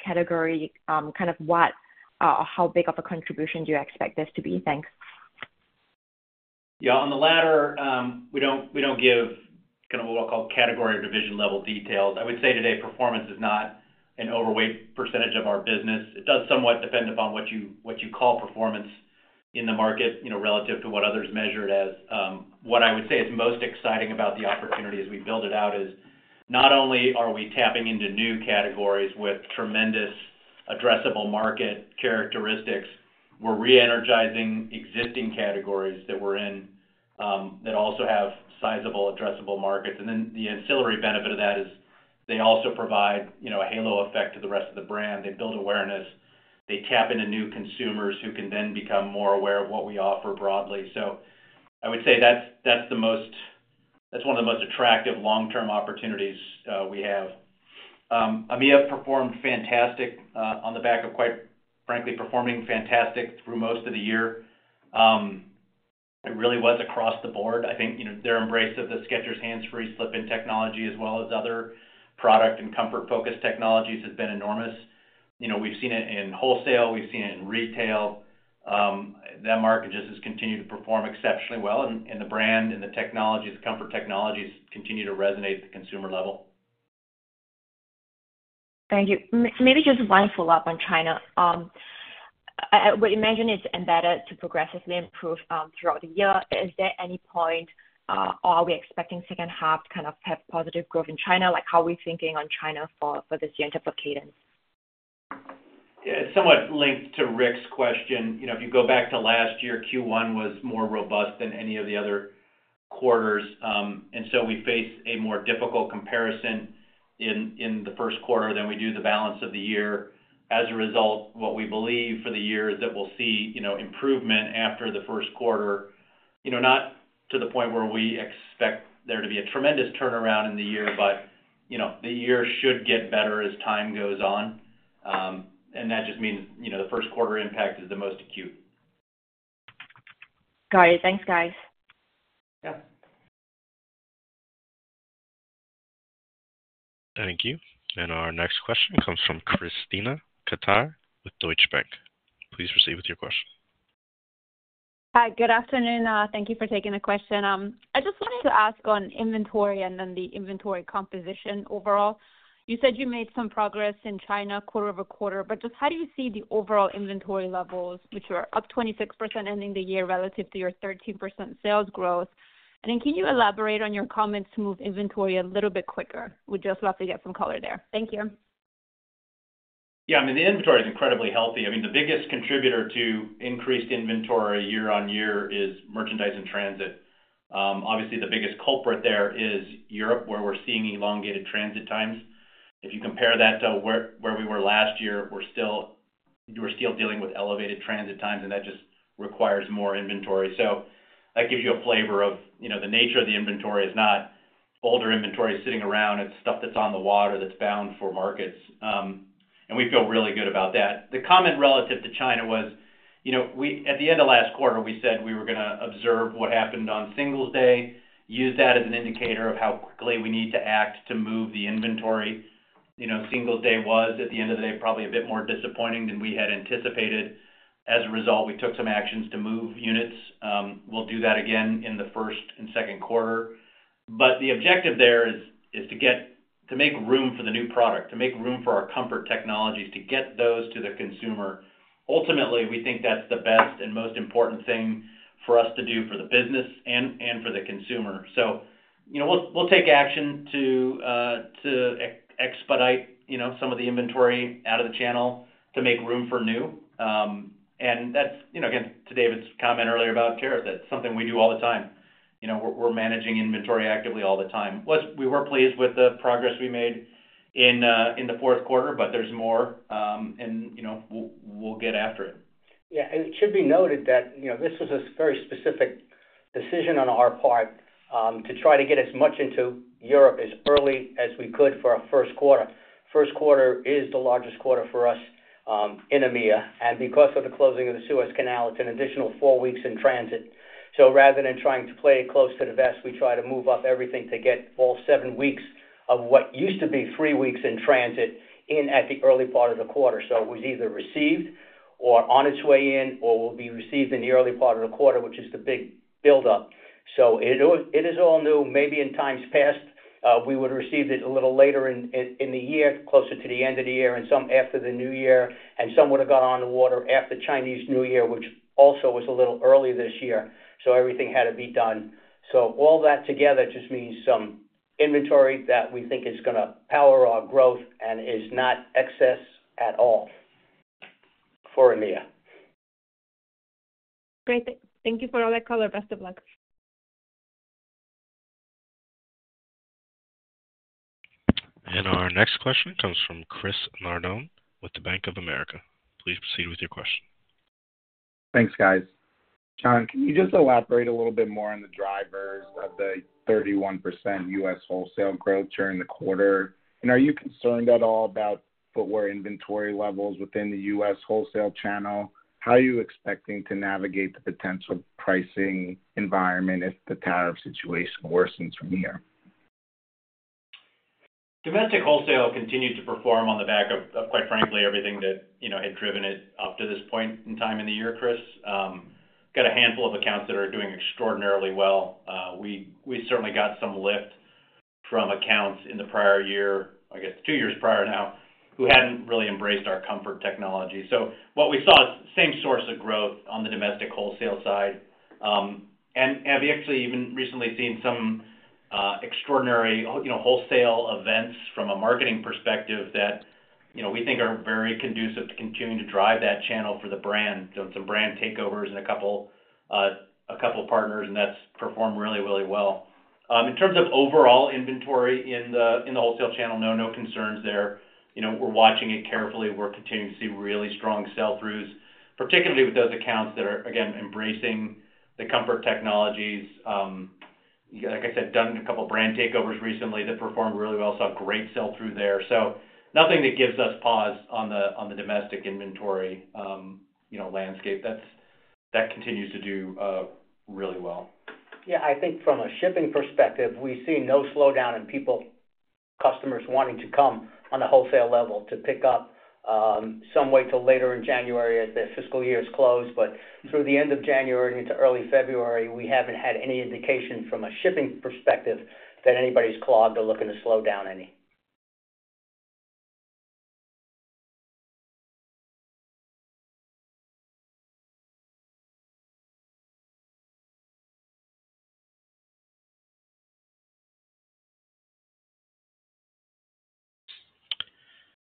category, kind of what or how big of a contribution do you expect this to be? Thanks. Yeah. On the latter, we don't give kind of what I'll call category or division-level details. I would say today, performance is not an overweight percentage of our business. It does somewhat depend upon what you call performance in the market relative to what others measure it as. What I would say is most exciting about the opportunity as we build it out is not only are we tapping into new categories with tremendous addressable market characteristics, we're re-energizing existing categories that we're in that also have sizable addressable markets. And then the ancillary benefit of that is they also provide a halo effect to the rest of the brand. They build awareness. They tap into new consumers who can then become more aware of what we offer broadly. So I would say that's one of the most attractive long-term opportunities we have. EMEA performed fantastic on the back of, quite frankly, performing fantastic through most of the year. It really was across the board. I think their embrace of the Skechers Hands Free Slip-ins technology, as well as other product and comfort-focused technologies, has been enormous. We've seen it in wholesale. We've seen it in retail. That market just has continued to perform exceptionally well. The brand and the comfort technologies continue to resonate at the consumer level. Thank you. Maybe just one follow-up on China. We imagine it's embedded to progressively improve throughout the year. Is there any point, or are we expecting second half to kind of have positive growth in China? How are we thinking on China for this year in terms of cadence? Yeah. It's somewhat linked to Rick's question. If you go back to last year, Q1 was more robust than any of the other quarters. And so we face a more difficult comparison in the first quarter than we do the balance of the year. As a result, what we believe for the year is that we'll see improvement after the first quarter, not to the point where we expect there to be a tremendous turnaround in the year, but the year should get better as time goes on. And that just means the first quarter impact is the most acute. Got it. Thanks, guys. Yeah. Thank you. And our next question comes from Krisztina Katai with Deutsche Bank. Please proceed with your question. Hi. Good afternoon. Thank you for taking the question. I just wanted to ask on inventory and then the inventory composition overall. You said you made some progress in China, quarter over quarter. But just how do you see the overall inventory levels, which are up 26% ending the year relative to your 13% sales growth? And then can you elaborate on your comments to move inventory a little bit quicker? We'd just love to get some color there. Thank you. Yeah. I mean, the inventory is incredibly healthy. I mean, the biggest contributor to increased inventory year on year is merchandise and transit. Obviously, the biggest culprit there is Europe, where we're seeing elongated transit times. If you compare that to where we were last year, we're still dealing with elevated transit times, and that just requires more inventory. So that gives you a flavor of the nature of the inventory is not older inventory sitting around. It's stuff that's on the water that's bound for markets. And we feel really good about that. The comment relative to China was, at the end of last quarter, we said we were going to observe what happened on Singles Day, use that as an indicator of how quickly we need to act to move the inventory. Singles' Day was, at the end of the day, probably a bit more disappointing than we had anticipated. As a result, we took some actions to move units. We'll do that again in the first and second quarter. But the objective there is to make room for the new product, to make room for our comfort technologies, to get those to the consumer. Ultimately, we think that's the best and most important thing for us to do for the business and for the consumer. So we'll take action to expedite some of the inventory out of the channel to make room for new. And that's, again, to David's comment earlier about tariffs. That's something we do all the time. We're managing inventory actively all the time. We were pleased with the progress we made in the fourth quarter, but there's more, and we'll get after it. Yeah. And it should be noted that this was a very specific decision on our part to try to get as much into Europe as early as we could for our first quarter. First quarter is the largest quarter for us in EMEA. And because of the closing of the Suez Canal, it's an additional four weeks in transit. So rather than trying to play it close to the vest, we try to move up everything to get all seven weeks of what used to be three weeks in transit in at the early part of the quarter. So it was either received or on its way in or will be received in the early part of the quarter, which is the big buildup. So it is all new. Maybe in times past, we would have received it a little later in the year, closer to the end of the year, and some after the New Year. And some would have got on the water after Chinese New Year, which also was a little early this year. So everything had to be done. So all that together just means some inventory that we think is going to power our growth and is not excess at all for EMEA. Great. Thank you for all that color. Best of luck. And our next question comes from Chris Nardone with the Bank of America. Please proceed with your question. Thanks, guys. John, can you just elaborate a little bit more on the drivers of the 31% U.S. wholesale growth during the quarter? Are you concerned at all about footwear inventory levels within the U.S. wholesale channel? How are you expecting to navigate the potential pricing environment if the tariff situation worsens from here? Domestic wholesale continued to perform on the back of, quite frankly, everything that had driven it up to this point in time in the year, Chris. Got a handful of accounts that are doing extraordinarily well. We certainly got some lift from accounts in the prior year, I guess two years prior now, who hadn't really embraced our comfort technology. So what we saw is the same source of growth on the domestic wholesale side. And we actually even recently seen some extraordinary wholesale events from a marketing perspective that we think are very conducive to continuing to drive that channel for the brand. Some brand takeovers and a couple of partners, and that's performed really, really well. In terms of overall inventory in the wholesale channel, no concerns there. We're watching it carefully. We're continuing to see really strong sell-throughs, particularly with those accounts that are, again, embracing the comfort technologies. Like I said, done a couple of brand takeovers recently that performed really well. Saw great sell-through there. So nothing that gives us pause on the domestic inventory landscape. That continues to do really well. Yeah. I think from a shipping perspective, we see no slowdown in people, customers wanting to come on the wholesale level to pick up some way till later in January as their fiscal year is closed. But through the end of January into early February, we haven't had any indication from a shipping perspective that anybody's clogged or looking to slow down any.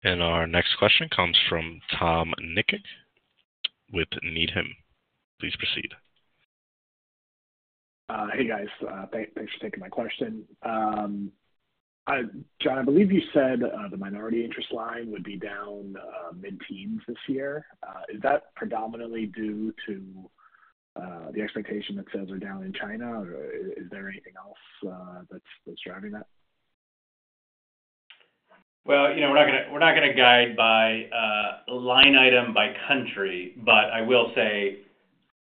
Our next question comes from Tom Nikic with Needham. Please proceed. Hey, guys. Thanks for taking my question. John, I believe you said the minority interest line would be down mid-teens this year. Is that predominantly due to the expectation that sales are down in China? Or is there anything else that's driving that? We're not going to guide by line item by country, but I will say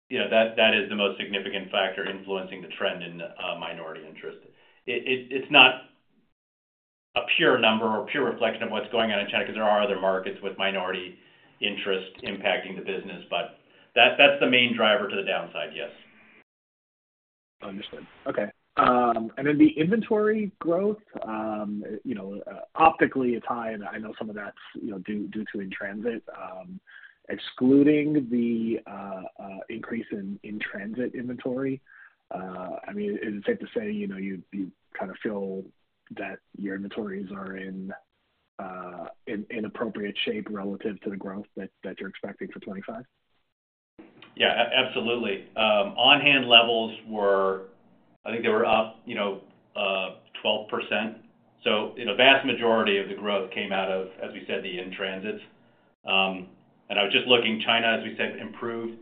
that is the most significant factor influencing the trend in minority interest. It's not a pure number or pure reflection of what's going on in China because there are other markets with minority interest impacting the business. But that's the main driver to the downside, yes. Understood. Okay. And then the inventory growth, optically, it's high. And I know some of that's due to in transit. Excluding the increase in transit inventory, I mean, is it safe to say you kind of feel that your inventories are in appropriate shape relative to the growth that you're expecting for 2025? Yeah. Absolutely. On-hand levels were, I think they were up 12%. So the vast majority of the growth came out of, as we said, the in-transits. And I was just looking. China, as we said, improved.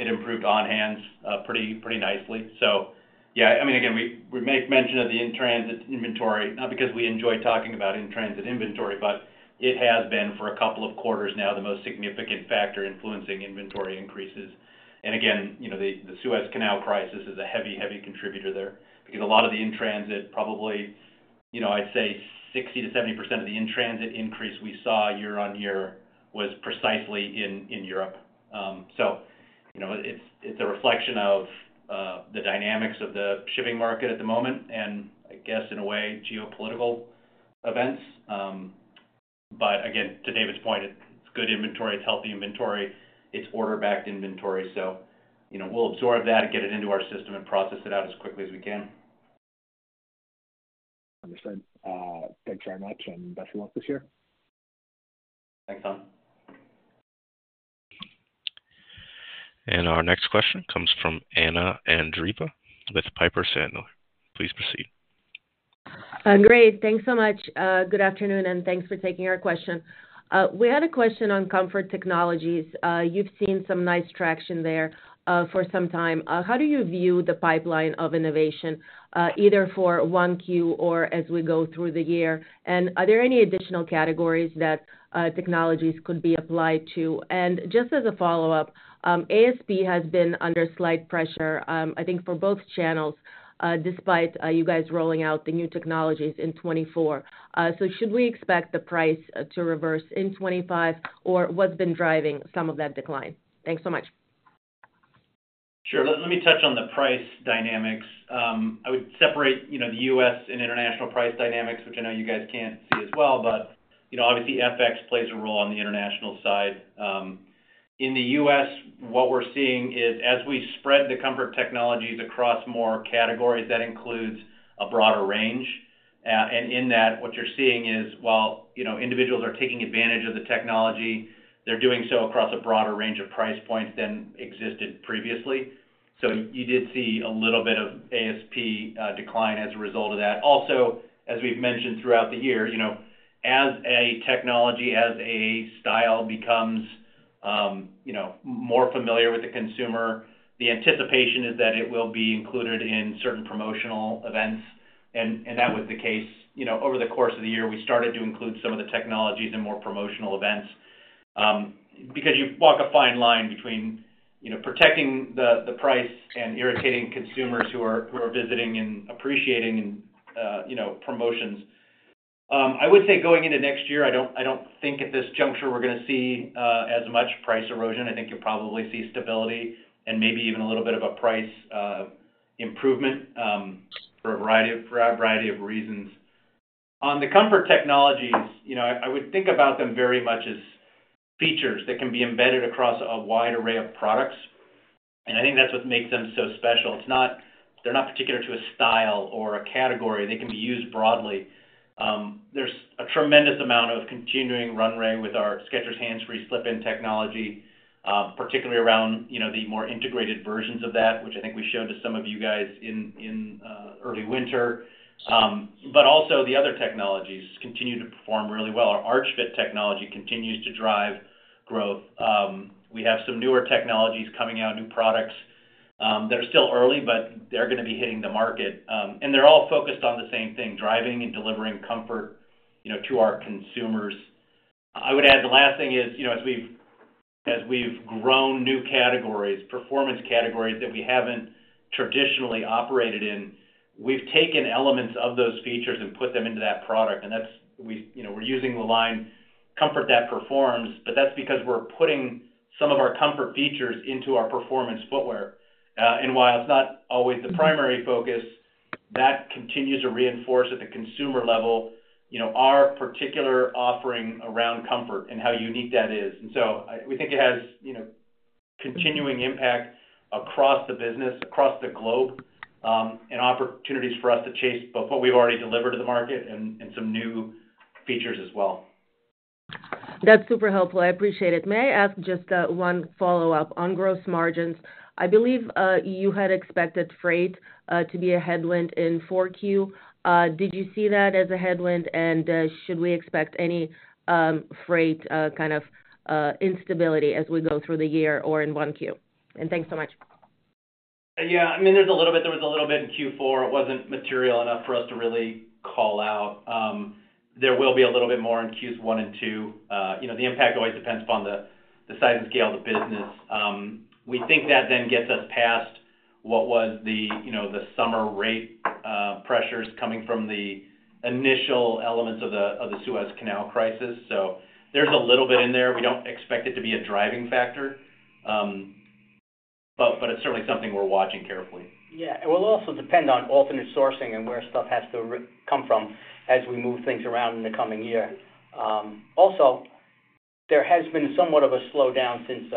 It improved on-hands pretty nicely. So yeah. I mean, again, we make mention of the in-transit inventory, not because we enjoy talking about in-transit inventory, but it has been for a couple of quarters now the most significant factor influencing inventory increases. And again, the Suez Canal crisis is a heavy, heavy contributor there because a lot of the in-transit, probably I'd say 60%-70% of the in-transit increase we saw year on year was precisely in Europe. So it's a reflection of the dynamics of the shipping market at the moment and, I guess, in a way, geopolitical events. But again, to David's point, it's good inventory. It's healthy inventory. It's order-backed inventory, so we'll absorb that and get it into our system and process it out as quickly as we can. Understood. Thanks very much, and best of luck this year. Thanks, Tom. Our next question comes from Anna Andreeva with Piper Sandler. Please proceed. Great. Thanks so much. Good afternoon, and thanks for taking our question. We had a question on comfort technologies. You've seen some nice traction there for some time. How do you view the pipeline of innovation, either for one Q or as we go through the year? And are there any additional categories that technologies could be applied to? And just as a follow-up, ASP has been under slight pressure, I think, for both channels despite you guys rolling out the new technologies in 2024. So should we expect the price to reverse in 2025, or what's been driving some of that decline? Thanks so much. Sure. Let me touch on the price dynamics. I would separate the U.S. and international price dynamics, which I know you guys can't see as well. But obviously, FX plays a role on the international side. In the U.S., what we're seeing is, as we spread the comfort technologies across more categories, that includes a broader range. And in that, what you're seeing is, while individuals are taking advantage of the technology, they're doing so across a broader range of price points than existed previously. So you did see a little bit of ASP decline as a result of that. Also, as we've mentioned throughout the year, as a technology, as a style becomes more familiar with the consumer, the anticipation is that it will be included in certain promotional events. And that was the case. Over the course of the year, we started to include some of the technologies in more promotional events because you walk a fine line between protecting the price and irritating consumers who are visiting and appreciating promotions. I would say going into next year, I don't think at this juncture we're going to see as much price erosion. I think you'll probably see stability and maybe even a little bit of a price improvement for a variety of reasons. On the comfort technologies, I would think about them very much as features that can be embedded across a wide array of products. And I think that's what makes them so special. They're not particular to a style or a category. They can be used broadly. There's a tremendous amount of continuing runway with our Skechers Hands Free Slip-ins technology, particularly around the more integrated versions of that, which I think we showed to some of you guys in early winter. But also, the other technologies continue to perform really well. Our Arch Fit technology continues to drive growth. We have some newer technologies coming out, new products that are still early, but they're going to be hitting the market. And they're all focused on the same thing: driving and delivering comfort to our consumers. I would add the last thing is, as we've grown new categories, performance categories that we haven't traditionally operated in, we've taken elements of those features and put them into that product. And we're using the line, "Comfort that performs," but that's because we're putting some of our comfort features into our performance footwear. While it's not always the primary focus, that continues to reinforce at the consumer level our particular offering around comfort and how unique that is. So we think it has continuing impact across the business, across the globe, and opportunities for us to chase both what we've already delivered to the market and some new features as well. That's super helpful. I appreciate it. May I ask just one follow-up on gross margins? I believe you had expected freight to be a headwind in Q4. Did you see that as a headwind? And should we expect any freight kind of instability as we go through the year or in Q1? And thanks so much. Yeah. I mean, there's a little bit. There was a little bit in Q4. It wasn't material enough for us to really call out. There will be a little bit more in Qs one and two. The impact always depends upon the size and scale of the business. We think that then gets us past what was the summer rate pressures coming from the initial elements of the Suez Canal crisis. So there's a little bit in there. We don't expect it to be a driving factor, but it's certainly something we're watching carefully. Yeah. It will also depend on alternate sourcing and where stuff has to come from as we move things around in the coming year. Also, there has been somewhat of a slowdown since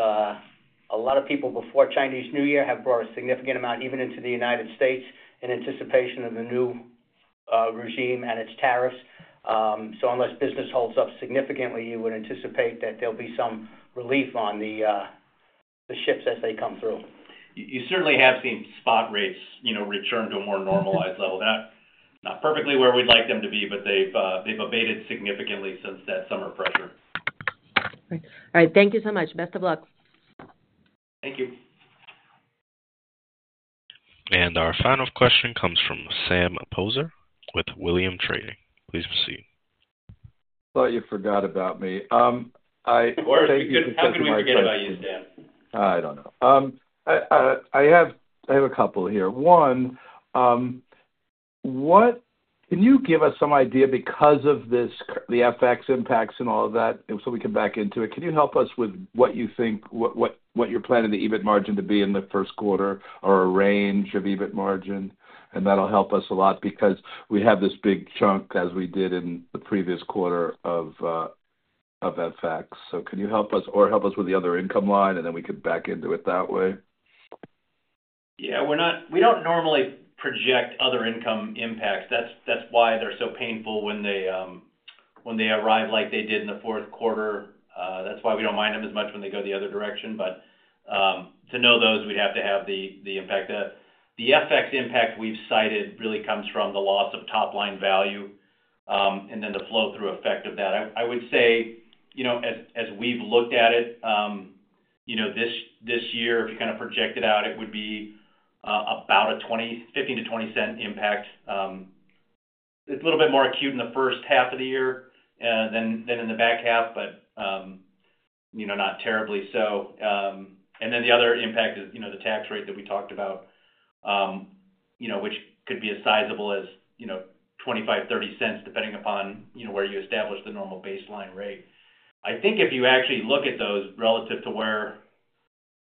a lot of people before Chinese New Year have brought a significant amount even into the United States in anticipation of the new regime and its tariffs. So unless business holds up significantly, you would anticipate that there'll be some relief on the ships as they come through. You certainly have seen spot rates return to a more normalized level. They're not perfectly where we'd like them to be, but they've abated significantly since that summer pressure. All right. Thank you so much. Best of luck. Thank you. Our final question comes from Sam Poser with Williams Trading. Please proceed. Thought you forgot about me. Of course. How can we forget about you, Sam? I don't know. I have a couple here. One, can you give us some idea because of the FX impacts and all of that, so we can back into it? Can you help us with what you think, what you're planning the EBIT margin to be in the first quarter or a range of EBIT margin? And that'll help us a lot because we have this big chunk as we did in the previous quarter of FX. So can you help us or help us with the other income line, and then we could back into it that way? Yeah. We don't normally project other income impacts. That's why they're so painful when they arrive like they did in the fourth quarter. That's why we don't mind them as much when they go the other direction. But to know those, we'd have to have the impact. The FX impact we've cited really comes from the loss of top-line value and then the flow-through effect of that. I would say, as we've looked at it this year, if you kind of project it out, it would be about a $0.15-$0.20 impact. It's a little bit more acute in the first half of the year than in the back half, but not terribly so. And then the other impact is the tax rate that we talked about, which could be as sizable as $0.25-$0.30, depending upon where you establish the normal baseline rate. I think if you actually look at those relative to where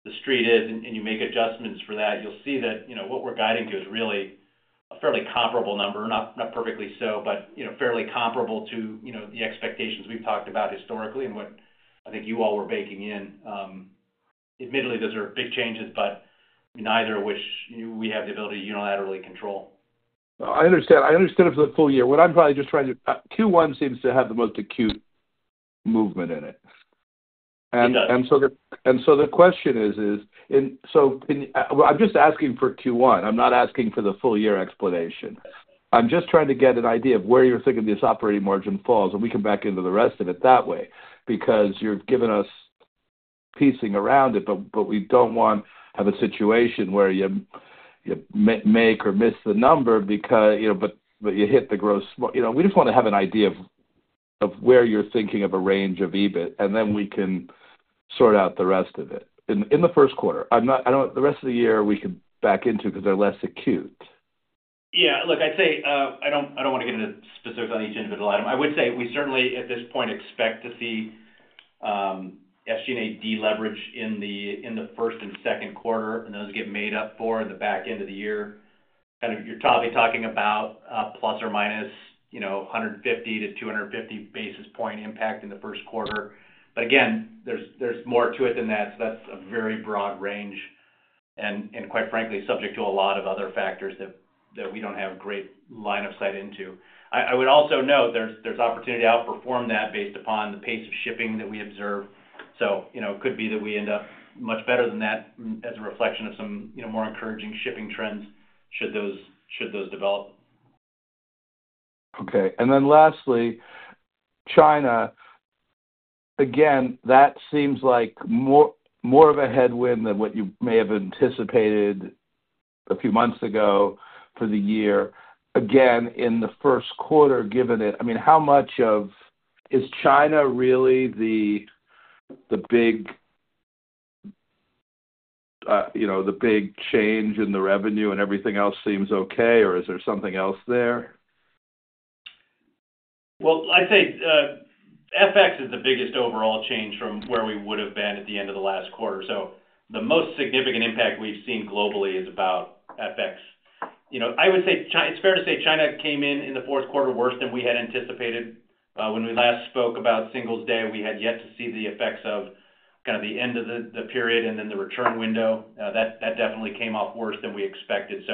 the street is and you make adjustments for that, you'll see that what we're guiding to is really a fairly comparable number, not perfectly so, but fairly comparable to the expectations we've talked about historically and what I think you all were baking in. Admittedly, those are big changes, but neither of which we have the ability to unilaterally control. I understand. I understand it for the full year. What I'm probably just trying to Q1 seems to have the most acute movement in it, and so the question is, so I'm just asking for Q1. I'm not asking for the full-year explanation. I'm just trying to get an idea of where you're thinking this operating margin falls, and we can back into the rest of it that way because you've given us pieces around it, but we don't want to have a situation where you make or miss the number, but you hit the gross. We just want to have an idea of where you're thinking of a range of EBIT, and then we can sort out the rest of it in the first quarter. The rest of the year, we can back into it because they're less acute. Yeah. Look, I'd say I don't want to get into specifics on each individual. I would say we certainly, at this point, expect to see SG&A deleverage in the first and second quarter, and those get made up for in the back end of the year. Kind of you're probably talking about plus or minus 150-250 basis points impact in the first quarter. But again, there's more to it than that. So that's a very broad range and, quite frankly, subject to a lot of other factors that we don't have great line of sight into. I would also note there's opportunity to outperform that based upon the pace of shipping that we observe. So it could be that we end up much better than that as a reflection of some more encouraging shipping trends should those develop. Okay, and then lastly, China, again, that seems like more of a headwind than what you may have anticipated a few months ago for the year. Again, in the first quarter, given it, I mean, how much of is China really the big change in the revenue and everything else seems okay, or is there something else there? I'd say FX is the biggest overall change from where we would have been at the end of the last quarter. The most significant impact we've seen globally is about FX. I would say it's fair to say China came in in the fourth quarter worse than we had anticipated. When we last spoke about Singles' Day, we had yet to see the effects of kind of the end of the period and then the return window. That definitely came off worse than we expected.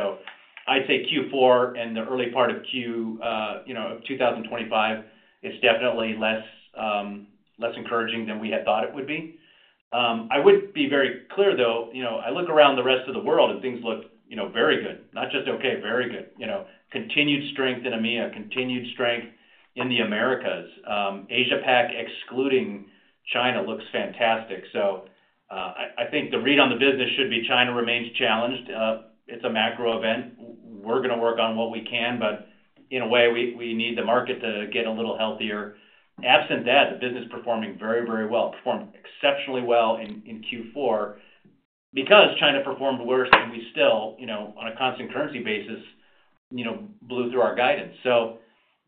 I'd say Q4 and the early part of Q1 of 2025 is definitely less encouraging than we had thought it would be. I would be very clear, though. I look around the rest of the world, and things look very good. Not just okay, very good. Continued strength in EMEA, continued strength in the Americas. Asia-Pac, excluding China, looks fantastic. So I think the read on the business should be China remains challenged. It's a macro event. We're going to work on what we can, but in a way, we need the market to get a little healthier. Absent that, the business performing very, very well. Performed exceptionally well in Q4 because China performed worse, and we still, on a constant currency basis, blew through our guidance. So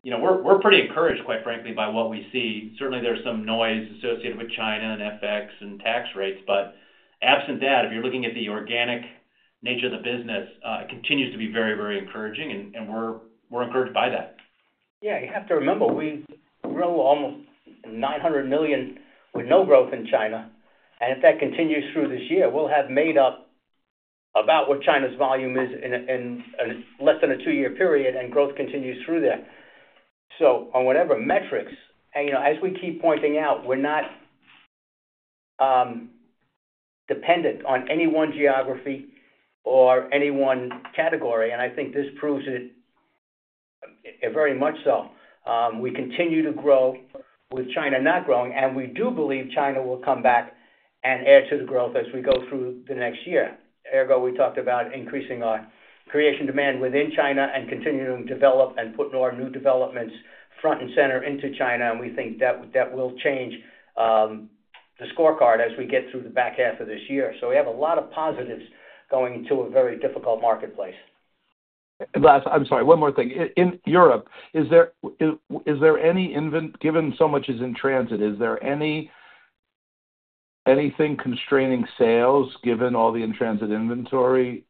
we're pretty encouraged, quite frankly, by what we see. Certainly, there's some noise associated with China and FX and tax rates. But absent that, if you're looking at the organic nature of the business, it continues to be very, very encouraging, and we're encouraged by that. Yeah. You have to remember, we grow almost $900 million with no growth in China. And if that continues through this year, we'll have made up about what China's volume is in less than a two-year period, and growth continues through there. So on whatever metrics, as we keep pointing out, we're not dependent on any one geography or any one category. And I think this proves it very much so. We continue to grow with China not growing, and we do believe China will come back and add to the growth as we go through the next year. Ergo, we talked about increasing our consumer demand within China and continuing to develop and putting our new developments front and center into China. And we think that will change the scorecard as we get through the back half of this year. So we have a lot of positives going to a very difficult marketplace. I'm sorry. One more thing. In Europe, is there anything given so much is in transit? Is there anything constraining sales given all the in-transit inventory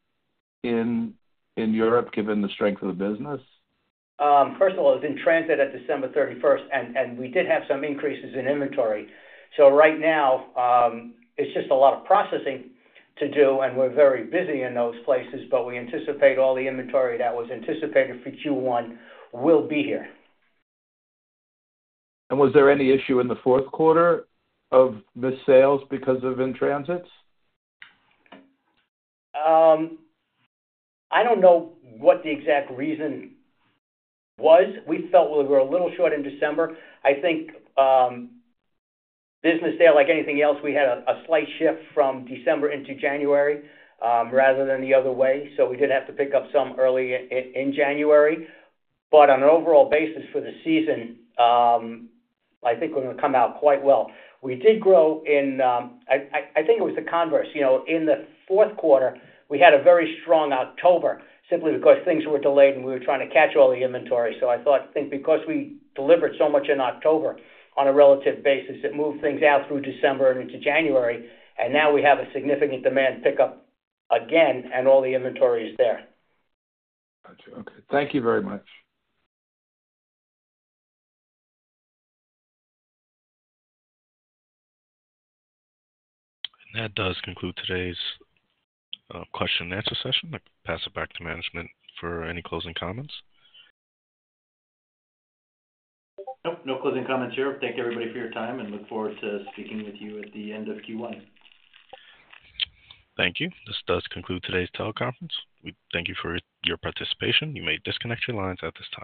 in Europe given the strength of the business? First of all, it's in transit at December 31st, and we did have some increases in inventory. So right now, it's just a lot of processing to do, and we're very busy in those places, but we anticipate all the inventory that was anticipated for Q1 will be here. Was there any issue in the fourth quarter of the sales because of in-transits? I don't know what the exact reason was. We felt we were a little short in December. I think business there, like anything else, we had a slight shift from December into January rather than the other way. So we did have to pick up some early in January. But on an overall basis for the season, I think we're going to come out quite well. We did grow in I think it was the converse. In the fourth quarter, we had a very strong October simply because things were delayed, and we were trying to catch all the inventory. So I think because we delivered so much in October on a relative basis, it moved things out through December and into January. And now we have a significant demand pickup again, and all the inventory is there. Gotcha. Okay. Thank you very much. That does conclude today's question-and-answer session. I'll pass it back to management for any closing comments. Nope. No closing comments here. Thank you, everybody, for your time, and look forward to speaking with you at the end of Q1. Thank you. This does conclude today's teleconference. We thank you for your participation. You may disconnect your lines at this time.